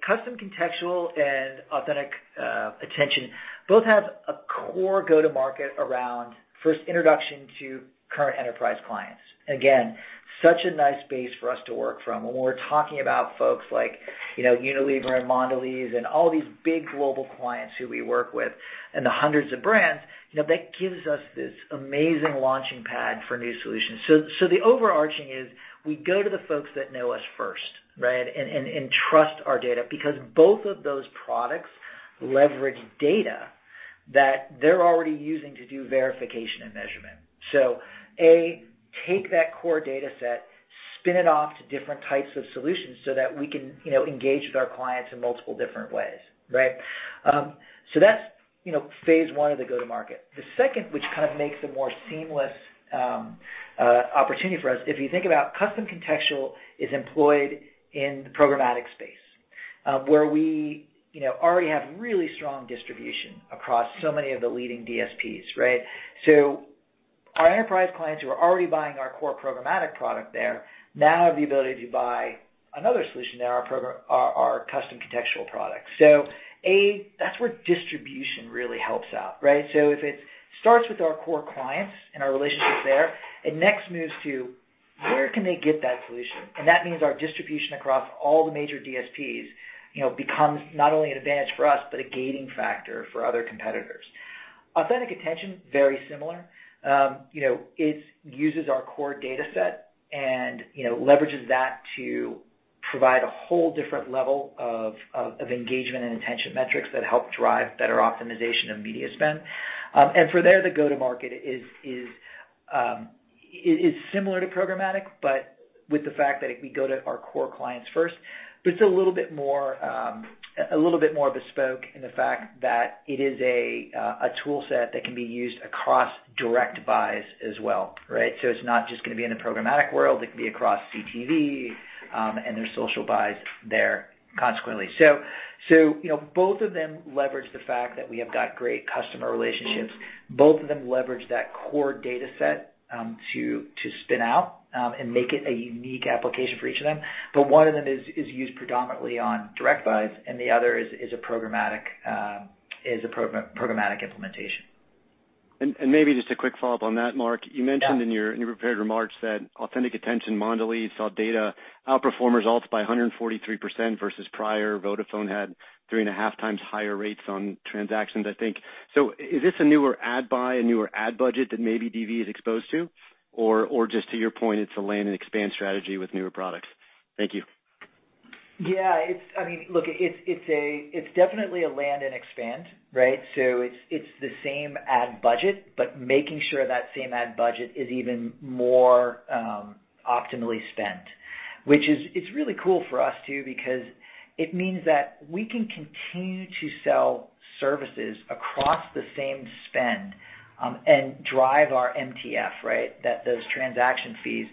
Custom Contextual and Authentic Attention both have a core go-to-market around first introduction to current enterprise clients. Again, such a nice base for us to work from. When we're talking about folks like, you know, Unilever and Mondelēz and all these big global clients who we work with and the hundreds of brands, you know, that gives us this amazing launching pad for new solutions. The overarching is we go to the folks that know us first and trust our data because both of those products leverage data that they're already using to do verification and measurement. Take that core data set, spin it off to different types of solutions so that we can, you know, engage with our clients in multiple different ways. That's, you know, phase one of the go-to-market. The second, which kind of makes a more seamless opportunity for us, if you think about Custom Contextual is employed in the programmatic space, where we, you know, already have really strong distribution across so many of the leading DSPs, right? Our enterprise clients who are already buying our core programmatic product there now have the ability to buy another solution there, our Custom Contextual product. That's where distribution really helps out, right? If it starts with our core clients and our relationships there, it next moves to where can they get that solution? That means our distribution across all the major DSPs, you know, becomes not only an advantage for us, but a gating factor for other competitors. Authentic Attention, very similar. You know, it uses our core data set and, you know, leverages that to provide a whole different level of engagement and intention metrics that help drive better optimization of media spend. For there, the go-to-market is similar to programmatic, but with the fact that if we go to our core clients first. It's a little bit more, a little bit more bespoke in the fact that it is a tool set that can be used across direct buys as well, right? It's not just gonna be in the programmatic world, it can be across CTV, and their social buys there consequently. You know, both of them leverage the fact that we have got great customer relationships. Both of them leverage that core data set, to spin out, and make it a unique application for each of them. One of them is used predominantly on direct buys, and the other is a programmatic implementation. Maybe just a quick follow-up on that, Mark. Yeah. You mentioned in your prepared remarks that Authentic Attention, Mondelēz saw data outperform results by 143% versus prior. Vodafone had 3.5 times higher rates on transactions, I think. Is this a newer ad buy, a newer ad budget that maybe DV is exposed to? Or just to your point, it's a land and expand strategy with newer products? Thank you. Yeah, I mean, look, it's definitely a land and expand, right? It's the same ad budget, but making sure that same ad budget is even more optimally spent. Which is, it's really cool for us too, because it means that we can continue to sell services across the same spend and drive our MTF, right? That those transaction fees,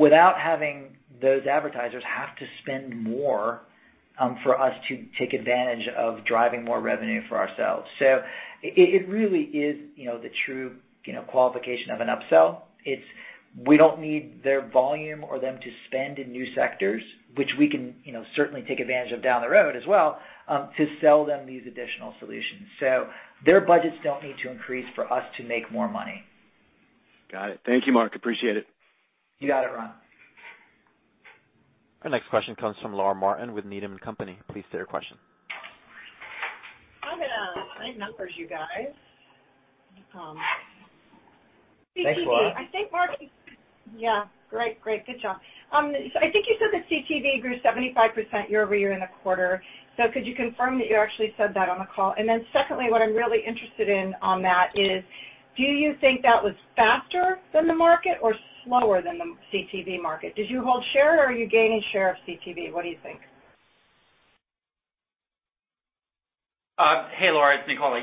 without having those advertisers have to spend more for us to take advantage of driving more revenue for ourselves. It really is, you know, the true, you know, qualification of an upsell. It's, we don't need their volume or them to spend in new sectors, which we can, you know, certainly take advantage of down the road as well to sell them these additional solutions. Their budgets don't need to increase for us to make more money. Got it. Thank you, Mark. Appreciate it. You got it, Ron. Our next question comes from Laura Martin with Needham & Company. Please state your question. Kind of great numbers, you guys. Thanks, Laura. CTV. I think Mark. Yeah. Great. Great. Good job. I think you said that CTV grew 75% year-over-year in the quarter. Could you confirm that you actually said that on the call? Secondly, what I'm really interested in on that is, do you think that was faster than the market or slower than the CTV market? Did you hold share or are you gaining share of CTV? What do you think? Hey, Laura, it's Nicola.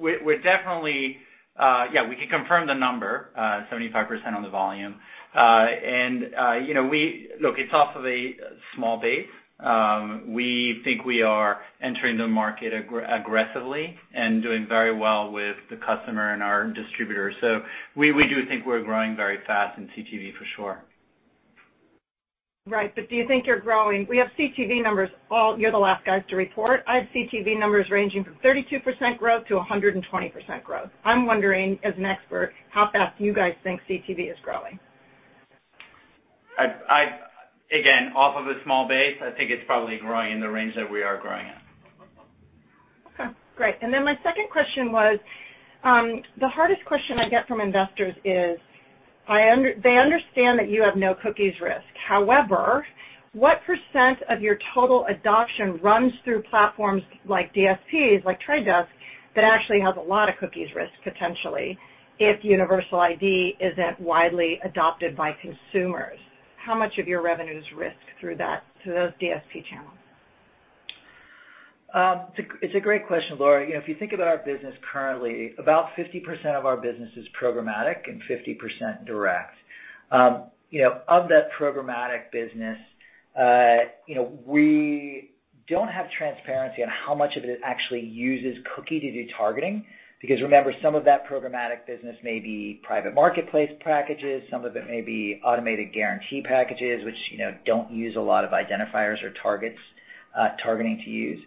We're definitely, we can confirm the number, 75% on the volume. You know, look, it's off of a small base. We think we are entering the market aggressively and doing very well with the customer and our distributors. We do think we're growing very fast in CTV, for sure. Right. Do you think you're growing? We have CTV numbers. You're the last guys to report. I have CTV numbers ranging from 32% growth to 120% growth. I'm wondering, as an expert, how fast you guys think CTV is growing. Again, off of a small base, I think it's probably growing in the range that we are growing in. Okay, great. My second question was, the hardest question I get from investors is they understand that you have no cookies risk. However, what percent of your total adoption runs through platforms like DSPs, like The Trade Desk, that actually has a lot of cookies risk, potentially, if universal ID isn't widely adopted by consumers? How much of your revenue is risked through that, through those DSP channels? It's a great question, Laura. You know, if you think about our business currently, about 50% of our business is programmatic and 50% direct. You know, of that programmatic business, you know, we don't have transparency on how much of it actually uses cookie to do targeting because remember, some of that programmatic business may be private marketplace packages, some of it may be automated guarantee packages, which, you know, don't use a lot of identifiers or targeting to use.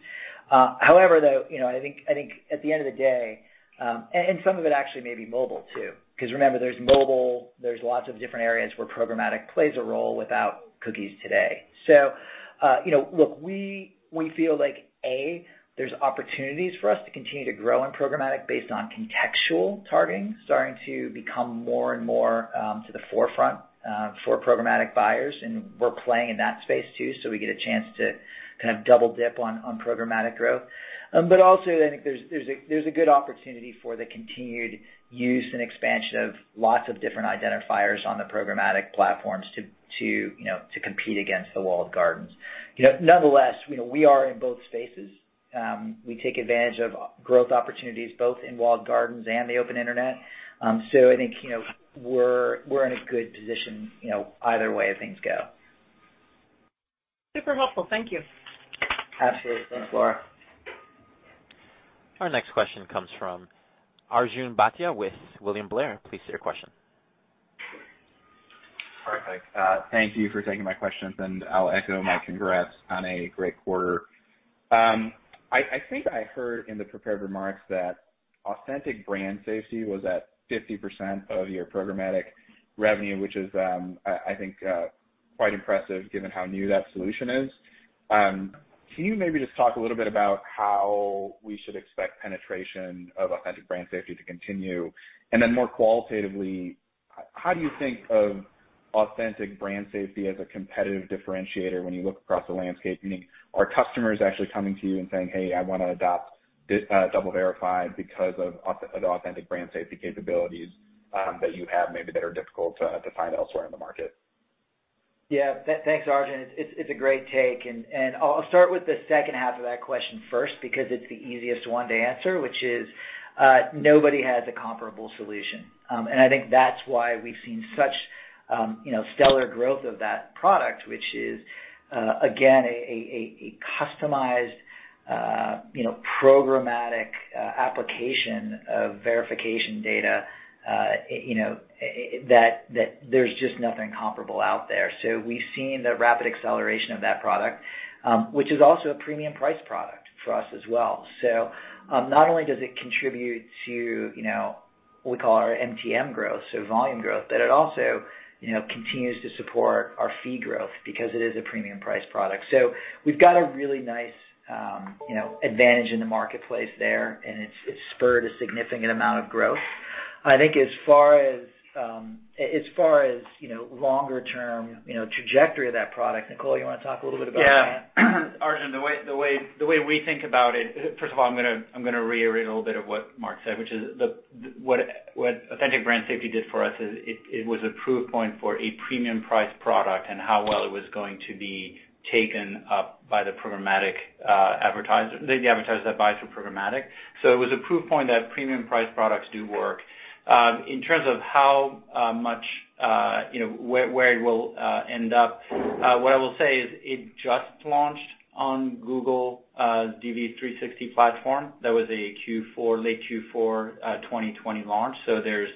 Though, you know, I think at the end of the day, some of it actually may be mobile too, because remember, there's mobile, there's lots of different areas where programmatic plays a role without cookies today. You know, look, we feel like, there's opportunities for us to continue to grow in programmatic based on contextual targeting starting to become more and more to the forefront for programmatic buyers, and we're playing in that space too. We get a chance to kind of double dip on programmatic growth. Also, I think there's a good opportunity for the continued use and expansion of lots of different identifiers on the programmatic platforms to compete against the walled gardens. Nonetheless, we are in both spaces. We take advantage of growth opportunities both in walled gardens and the open internet. I think, you know, we're in a good position, you know, either way things go. Super helpful. Thank you. Absolutely. Thanks, Laura. Our next question comes from Arjun Bhatia with William Blair. Please state your question. Perfect. Thank you for taking my questions, and I'll echo my congrats on a great quarter. I think I heard in the prepared remarks that Authentic Brand Safety was at 50% of your programmatic revenue, which is, I think, quite impressive given how new that solution is. Can you maybe just talk a little bit about how we should expect penetration of Authentic Brand Safety to continue? More qualitatively, how do you think of Authentic Brand Safety as a competitive differentiator when you look across the landscape? Meaning, are customers actually coming to you and saying, hey, I wanna adopt DoubleVerify because of the Authentic Brand Safety capabilities that you have maybe that are difficult to find elsewhere in the market? Thanks, Arjun. It's a great take. I'll start with the second half of that question first because it's the easiest one to answer, which is, nobody has a comparable solution. I think that's why we've seen such, you know, stellar growth of that product, which is, again, a customized, you know, programmatic application of verification data, you know, that there's just nothing comparable out there. We've seen the rapid acceleration of that product, which is also a premium price product for us as well. Not only does it contribute to, you know, what we call our MTM growth, so volume growth, but it also, you know, continues to support our fee growth because it is a premium price product. We've got a really nice, you know, advantage in the marketplace there, and it's spurred a significant amount of growth. I think as far as far as, you know, longer term, you know, trajectory of that product, Nicola, you wanna talk a little bit about that? Yeah. Arjun, the way we think about it, first of all, I'm gonna reiterate a little bit of what Mark said, which is what Authentic Brand Safety did for us is it was a proof point for a premium-price product and how well it was going to be taken up by the programmatic, the advertisers that buy through programmatic. It was a proof point that premium-price products do work. In terms of how much, you know, where it will end up, what I will say is it just launched on Google DV360 platform. That was a Q4, late Q4, 2020 launch. There's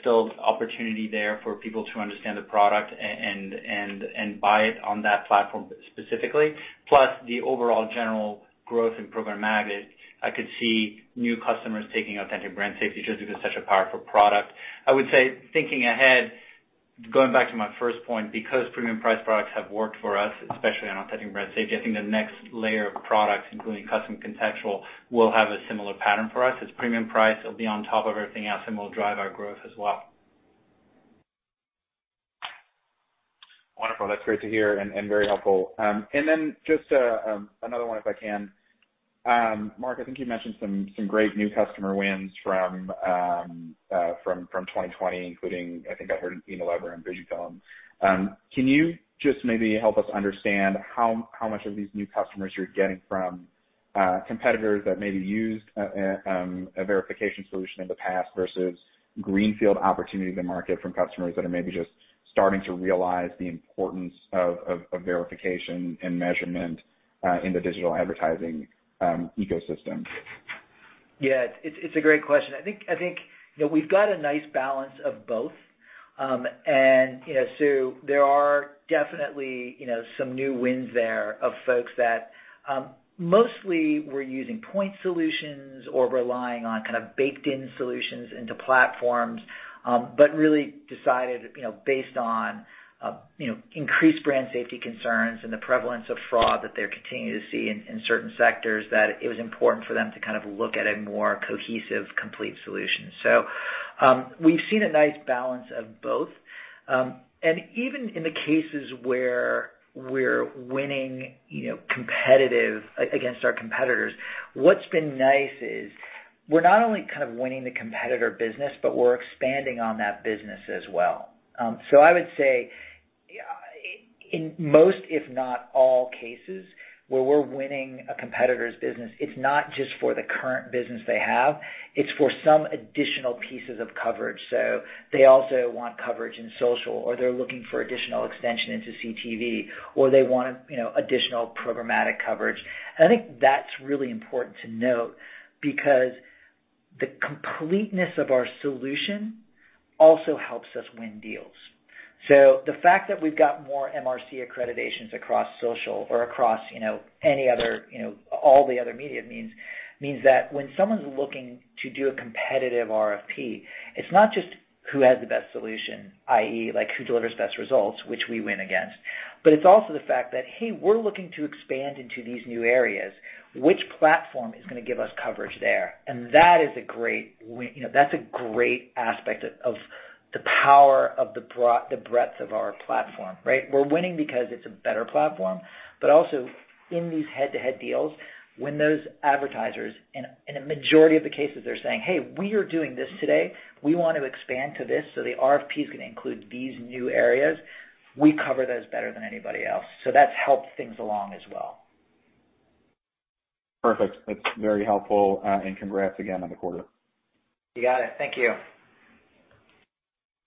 still opportunity there for people to understand the product and buy it on that platform specifically. The overall general growth in programmatic, I could see new customers taking Authentic Brand Safety just because it's such a powerful product. I would say thinking ahead, going back to my first point, because premium-price products have worked for us, especially on Authentic Brand Safety, I think the next layer of products, including Custom Contextual, will have a similar pattern for us. It's premium price. It will be on top of everything else, and will drive our growth as well. Wonderful. That's great to hear and very helpful. Then just another one if I can. Mark, I think you mentioned some great new customer wins from 2020, including I think I heard Unilever and Vodafone. Can you just maybe help us understand how much of these new customers you're getting from competitors that maybe used a verification solution in the past versus greenfield opportunity to market from customers that are maybe just starting to realize the importance of verification and measurement in the digital advertising ecosystem? Yeah. It's a great question. I think that we've got a nice balance of both. You know, there are definitely, you know, some new wins there of folks that mostly were using point solutions or relying on kind of baked-in solutions into platforms, but really decided, you know, based on increased brand safety concerns and the prevalence of fraud that they're continuing to see in certain sectors, that it was important for them to kind of look at a more cohesive, complete solution. We've seen a nice balance of both. Even in the cases where we're winning, you know, against our competitors, what's been nice is we're not only kind of winning the competitor business, but we're expanding on that business as well. I would say in most, if not all cases, where we're winning a competitor's business, it's not just for the current business they have, it's for some additional pieces of coverage. They also want coverage in social, or they're looking for additional extension into CTV, or they want, you know, additional programmatic coverage. I think that's really important to note because the completeness of our solution also helps us win deals. The fact that we've got more MRC accreditations across social or across, you know, any other, you know, all the other media means that when someone's looking to do a competitive RFP, it's not just who has the best solution, i.e. like who delivers best results, which we win against, but it's also the fact that, hey, we're looking to expand into these new areas. Which platform is gonna give us coverage there? That is a great win. You know, that's a great aspect of the power of the breadth of our platform, right? We're winning because it's a better platform, but also in these head-to-head deals, when those advertisers, in a majority of the cases, they're saying, hey, we are doing this today. We want to expand to this, so the RFP is going to include these new areas. We cover those better than anybody else. That's helped things along as well. Perfect. That's very helpful. Congrats again on the quarter. You got it. Thank you.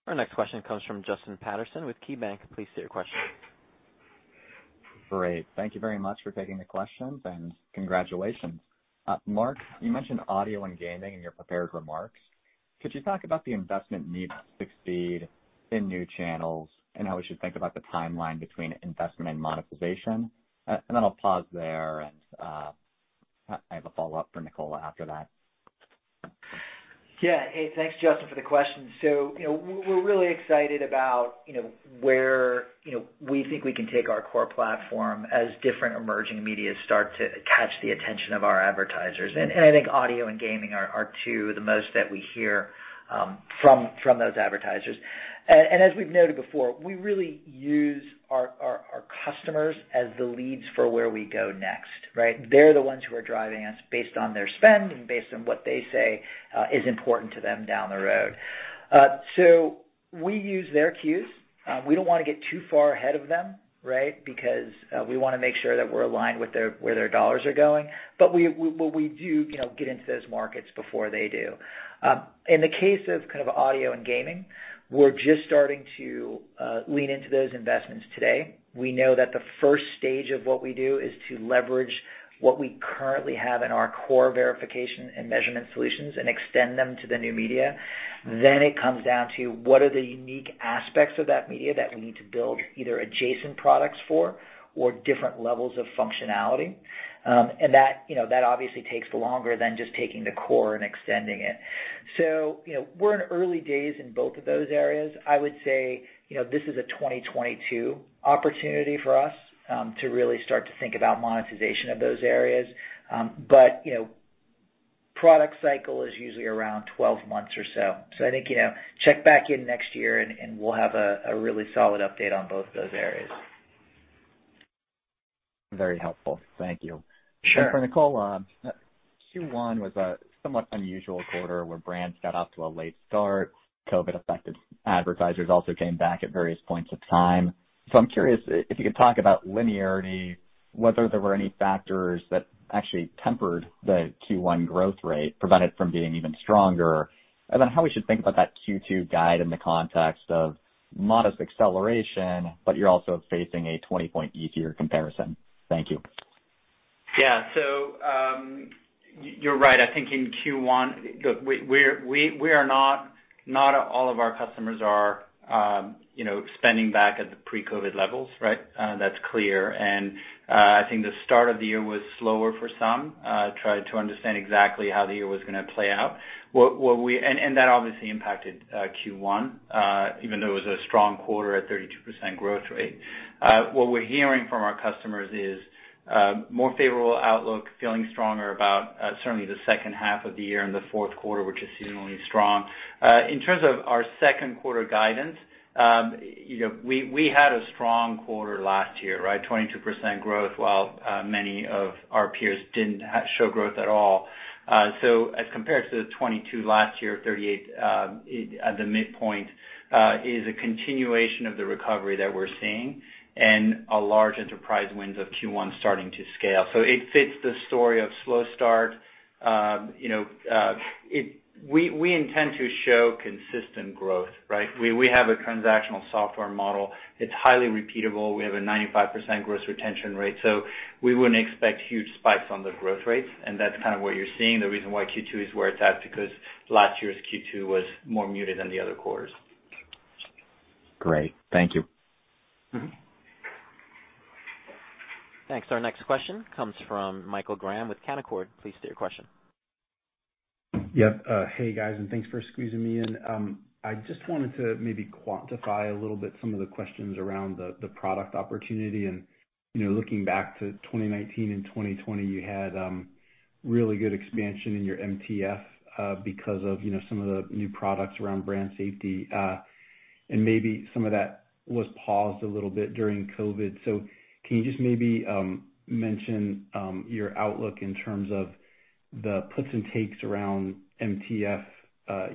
Our next question comes from Justin Patterson with KeyBanc. Please state your question. Great. Thank you very much for taking the questions. Congratulations. Mark, you mentioned audio and gaming in your prepared remarks. Could you talk about the investment needed to succeed in new channels and how we should think about the timeline between investment and monetization? Then I'll pause there and I have a follow-up for Nicola after that. Hey, thanks, Justin, for the question. We're really excited about where we think we can take our core platform as different emerging media start to catch the attention of our advertisers. I think audio and gaming are two of the most that we hear from those advertisers. As we've noted before, we really use our customers as the leads for where we go next, right? They're the ones who are driving us based on their spend and based on what they say is important to them down the road. We use their cues. We don't wanna get too far ahead of them, right? We wanna make sure that we're aligned with where their dollars are going. We do, you know, get into those markets before they do. In the case of kind of audio and gaming, we're just starting to lean into those investments today. We know that the first stage of what we do is to leverage what we currently have in our core verification and measurement solutions and extend them to the new media. It comes down to what are the unique aspects of that media that we need to build either adjacent products for or different levels of functionality. That, you know, that obviously takes longer than just taking the core and extending it. You know, we're in early days in both of those areas. I would say, you know, this is a 2022 opportunity for us to really start to think about monetization of those areas. You know, product cycle is usually around 12 months or so. I think, you know, check back in next year and we'll have a really solid update on both those areas. Very helpful. Thank you. Sure. For Nicola, Q1 was a somewhat unusual quarter where brands got off to a late start. COVID-affected advertisers also came back at various points of time. I'm curious if you could talk about linearity, whether there were any factors that actually tempered the Q1 growth rate, prevent it from being even stronger. How we should think about that Q2 guide in the context of modest acceleration, but you're also facing a 20-point easier comparison? Thank you. Yeah. You're right. I think in Q1, look, not all of our customers are, you know, spending back at the pre-COVID levels, right? That's clear. I think the start of the year was slower for some, tried to understand exactly how the year was gonna play out. That obviously impacted Q1, even though it was a strong quarter at 32% growth rate. What we're hearing from our customers is more favorable outlook, feeling stronger about certainly the second half of the year and the fourth quarter, which is seasonally strong. In terms of our second quarter guidance, you know, we had a strong quarter last year, right? 22% growth while many of our peers didn't show growth at all. As compared to the 22% last year, 38% at the midpoint is a continuation of the recovery that we're seeing and large enterprise wins of Q1 starting to scale. It fits the story of slow start. You know, we intend to show consistent growth, right? We have a transactional software model. It's highly repeatable. We have a 95% gross retention rate. We wouldn't expect huge spikes on the growth rates, and that's kind of what you're seeing. The reason why Q2 is where it's at, because last year's Q2 was more muted than the other quarters. Great. Thank you. Thanks. Our next question comes from Michael Graham with Canaccord. Please state your question. Yep. Hey, guys, and thanks for squeezing me in. I just wanted to maybe quantify a little bit some of the questions around the product opportunity. Looking back to 2019 and 2020, you had really good expansion in your MTF because of, you know, some of the new products around brand safety. Maybe some of that was paused a little bit during COVID. Can you just maybe mention your outlook in terms of the puts and takes around MTF,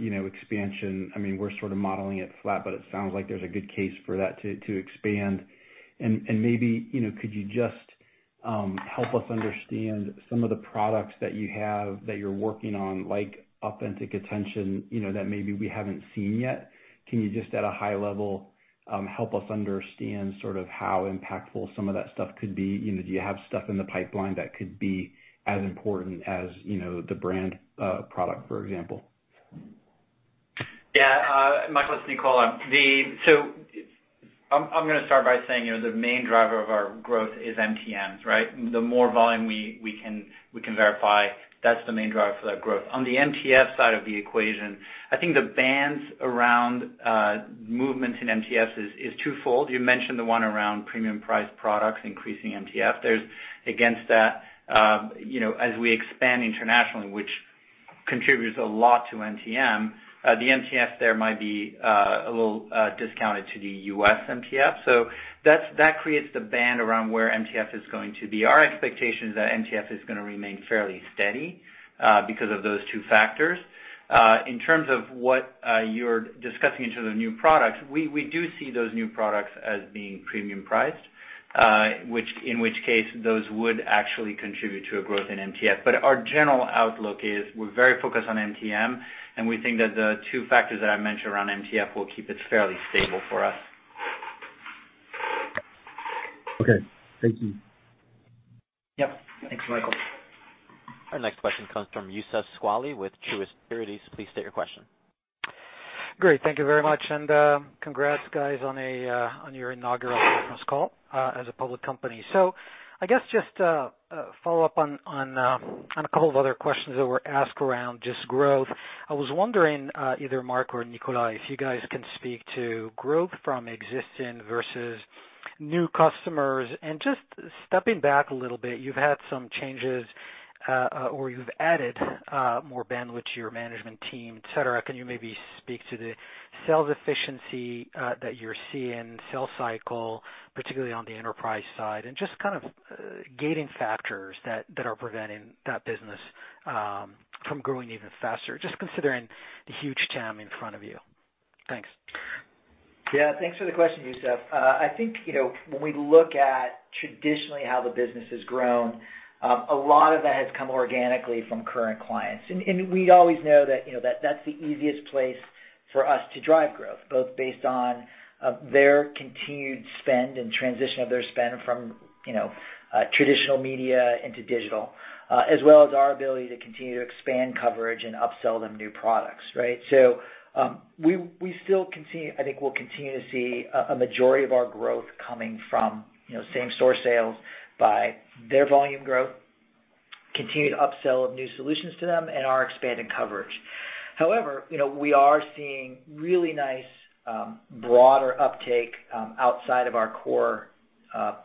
you know, expansion? I mean, we're sort of modeling it flat, but it sounds like there's a good case for that to expand. Maybe, you know, could you just help us understand some of the products that you have that you're working on, like Authentic Attention, you know, that maybe we haven't seen yet? Can you just at a high level help us understand sort of how impactful some of that stuff could be? You know, do you have stuff in the pipeline that could be as important as, you know, the brand product, for example? Michael, it's Nicola. I'm gonna start by saying, you know, the main driver of our growth is MTMs, right? The more volume we can verify, that's the main driver for that growth. On the MTF side of the equation, I think the bands around movement in MTFs is twofold. You mentioned the one around premium-priced products increasing MTF. Against that, you know, as we expand internationally, which contributes a lot to MTM, the MTF there might be a little discounted to the U.S. MTF. That creates the band around where MTF is going to be. Our expectation is that MTF is gonna remain fairly steady because of those two factors. In terms of what you're discussing in terms of new products, we do see those new products as being premium priced, in which case those would actually contribute to a growth in MTF. Our general outlook is we're very focused on MTM, and we think that the two factors that I mentioned around MTF will keep it fairly stable for us. Okay. Thank you. Yep. Thanks, Michael. Our next question comes from Youssef Squali with Truist Securities. Please state your question. Great. Thank you very much. Congrats guys on your inaugural conference call as a public company. I guess just follow up on a couple of other questions that were asked around just growth. I was wondering, either Mark or Nicola, if you guys can speak to growth from existing versus new customers. Just stepping back a little bit, you've had some changes or you've added more bandwidth to your management team, et cetera. Can you maybe speak to the sales efficiency that you're seeing, sales cycle, particularly on the enterprise side, and just kind of gating factors that are preventing that business from growing even faster, just considering the huge TAM in front of you? Thanks. Yeah, thanks for the question, Youssef. I think, you know, when we look at traditionally how the business has grown, a lot of that has come organically from current clients. We always know that, you know, that that's the easiest place for us to drive growth, both based on their continued spend and transition of their spend from, you know, traditional media into digital, as well as our ability to continue to expand coverage and upsell them new products, right? I think we'll continue to see a majority of our growth coming from, you know, same-store sales by their volume growth, continued upsell of new solutions to them and our expanded coverage. However, you know, we are seeing really nice, broader uptake, outside of our core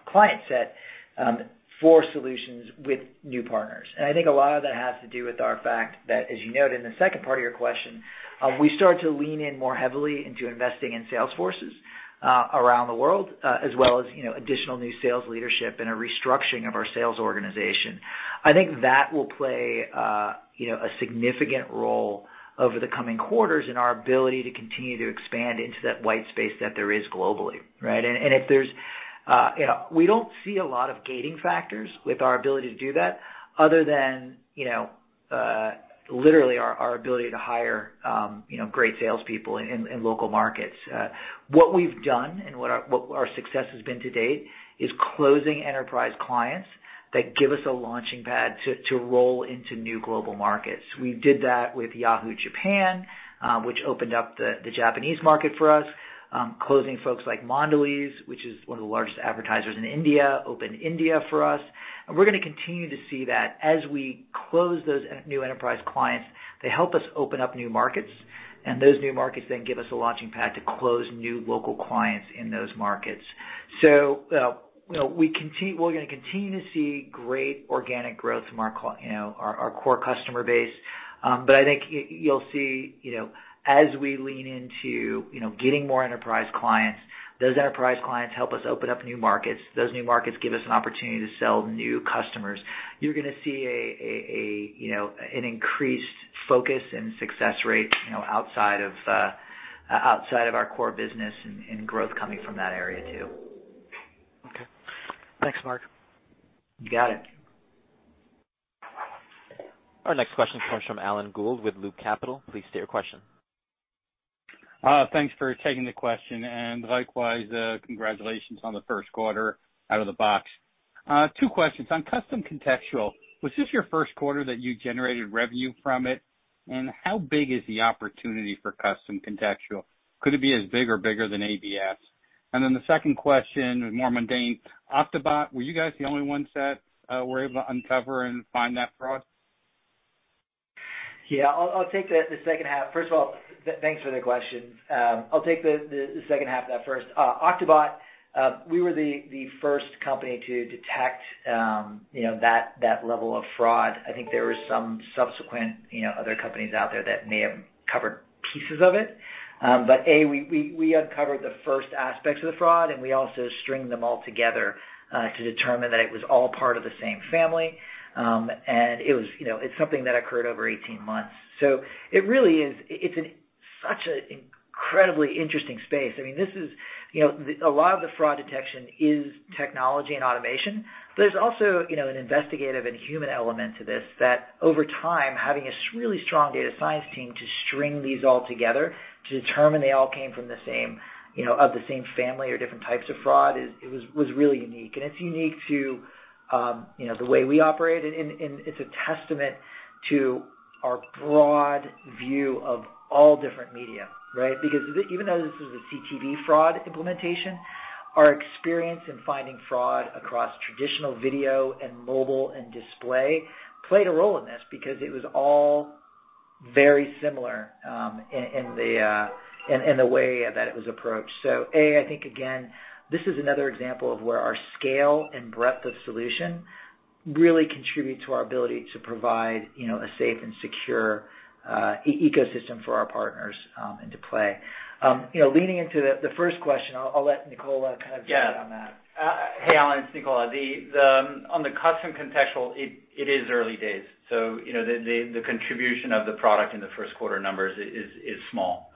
client set, for solutions with new partners. I think a lot of that has to do with our fact that, as you noted in the second part of your question, we start to lean in more heavily into investing in sales forces around the world, as well as, you know, additional new sales leadership and a restructuring of our sales organization. I think that will play, you know, a significant role over the coming quarters in our ability to continue to expand into that white space that there is globally, right? We don't see a lot of gating factors with our ability to do that other than, you know, literally our ability to hire, you know, great salespeople in local markets. What we've done and what our success has been to date is closing enterprise clients that give us a launching pad to roll into new global markets. We did that with Yahoo Japan, which opened up the Japanese market for us. Closing folks like Mondelēz, which is one of the largest advertisers in India, opened India for us. We're gonna continue to see that as we close those new enterprise clients, they help us open up new markets, and those new markets then give us a launching pad to close new local clients in those markets. You know, we're gonna continue to see great organic growth from our core customer base. I think you'll see, you know, as we lean into, you know, getting more enterprise clients, those enterprise clients help us open up new markets. Those new markets give us an opportunity to sell new customers. You're gonna see an increased focus and success rate, you know, outside of our core business and growth coming from that area too. Okay. Thanks, Mark. You got it. Our next question comes from Alan Gould with Loop Capital. Please state your question. Thanks for taking the question, and likewise, congratulations on the first quarter out of the box. Two questions. On Custom Contextual, was this your first quarter that you generated revenue from it? How big is the opportunity for Custom Contextual? Could it be as big or bigger than ABS? The second question is more mundane. OctoBot, were you guys the only ones that were able to uncover and find that fraud? I'll take the second half. First of all, thanks for the question. I'll take the second half of that first. OctoBot, we were the first company to detect, you know, that level of fraud. I think there were some subsequent, you know, other companies out there that may have covered pieces of it. We uncovered the first aspects of the fraud, and we also stringed them all together to determine that it was all part of the same family. It was, you know, it's something that occurred over 18 months. It really is, it's such an incredibly interesting space. I mean, this is, you know, a lot of the fraud detection is technology and automation, but there's also, you know, an investigative and human element to this that over time, having a really strong data science team to string these all together to determine they all came from the same, you know, of the same family or different types of fraud is, it was really unique. It's unique to, you know, the way we operate, and it's a testament to our broad view of all different media, right? Even though this is a CTV fraud implementation, our experience in finding fraud across traditional video and mobile and display played a role in this because it was all very similar in the way that it was approached. I think again, this is another example of where our scale and breadth of solution really contributes to our ability to provide, you know, a safe and secure e-ecosystem for our partners into play. You know, leaning into the first question, I'll let Nicola kind of jump in on that. Hey, Alan. It's Nicola. On the Custom Contextual, it is early days, so, you know, the contribution of the product in the first quarter numbers is small.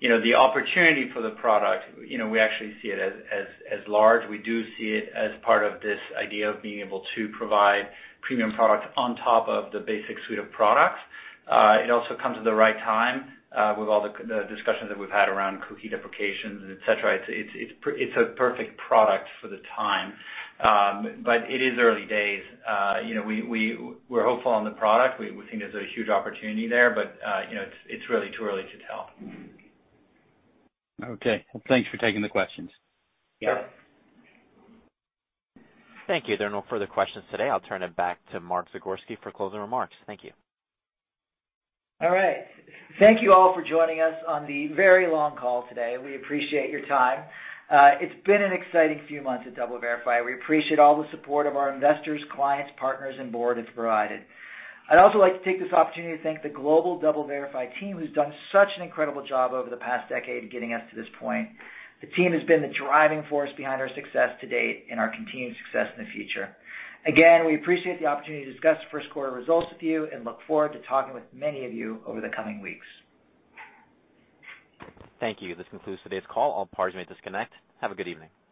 You know, the opportunity for the product, you know, we actually see it as large. We do see it as part of this idea of being able to provide premium product on top of the basic suite of products. It also comes at the right time, with all the discussions that we've had around cookie deprecations, et cetera. It's a perfect product for the time. But it is early days. You know, we're hopeful on the product. We think there's a huge opportunity there, but, you know, it's really too early to tell. Okay. Well, thanks for taking the questions. Yeah. Yeah. Thank you. There are no further questions today. I'll turn it back to Mark Zagorski for closing remarks. Thank you. Thank you all for joining us on the very long call today. We appreciate your time. It's been an exciting few months at DoubleVerify. We appreciate all the support of our investors, clients, partners, and board has provided. I'd also like to take this opportunity to thank the global DoubleVerify team who's done such an incredible job over the past decade getting us to this point. The team has been the driving force behind our success to date and our continued success in the future. Again, we appreciate the opportunity to discuss the first quarter results with you and look forward to talking with many of you over the coming weeks. Thank you. This concludes today's call. All parties may disconnect. Have a good evening.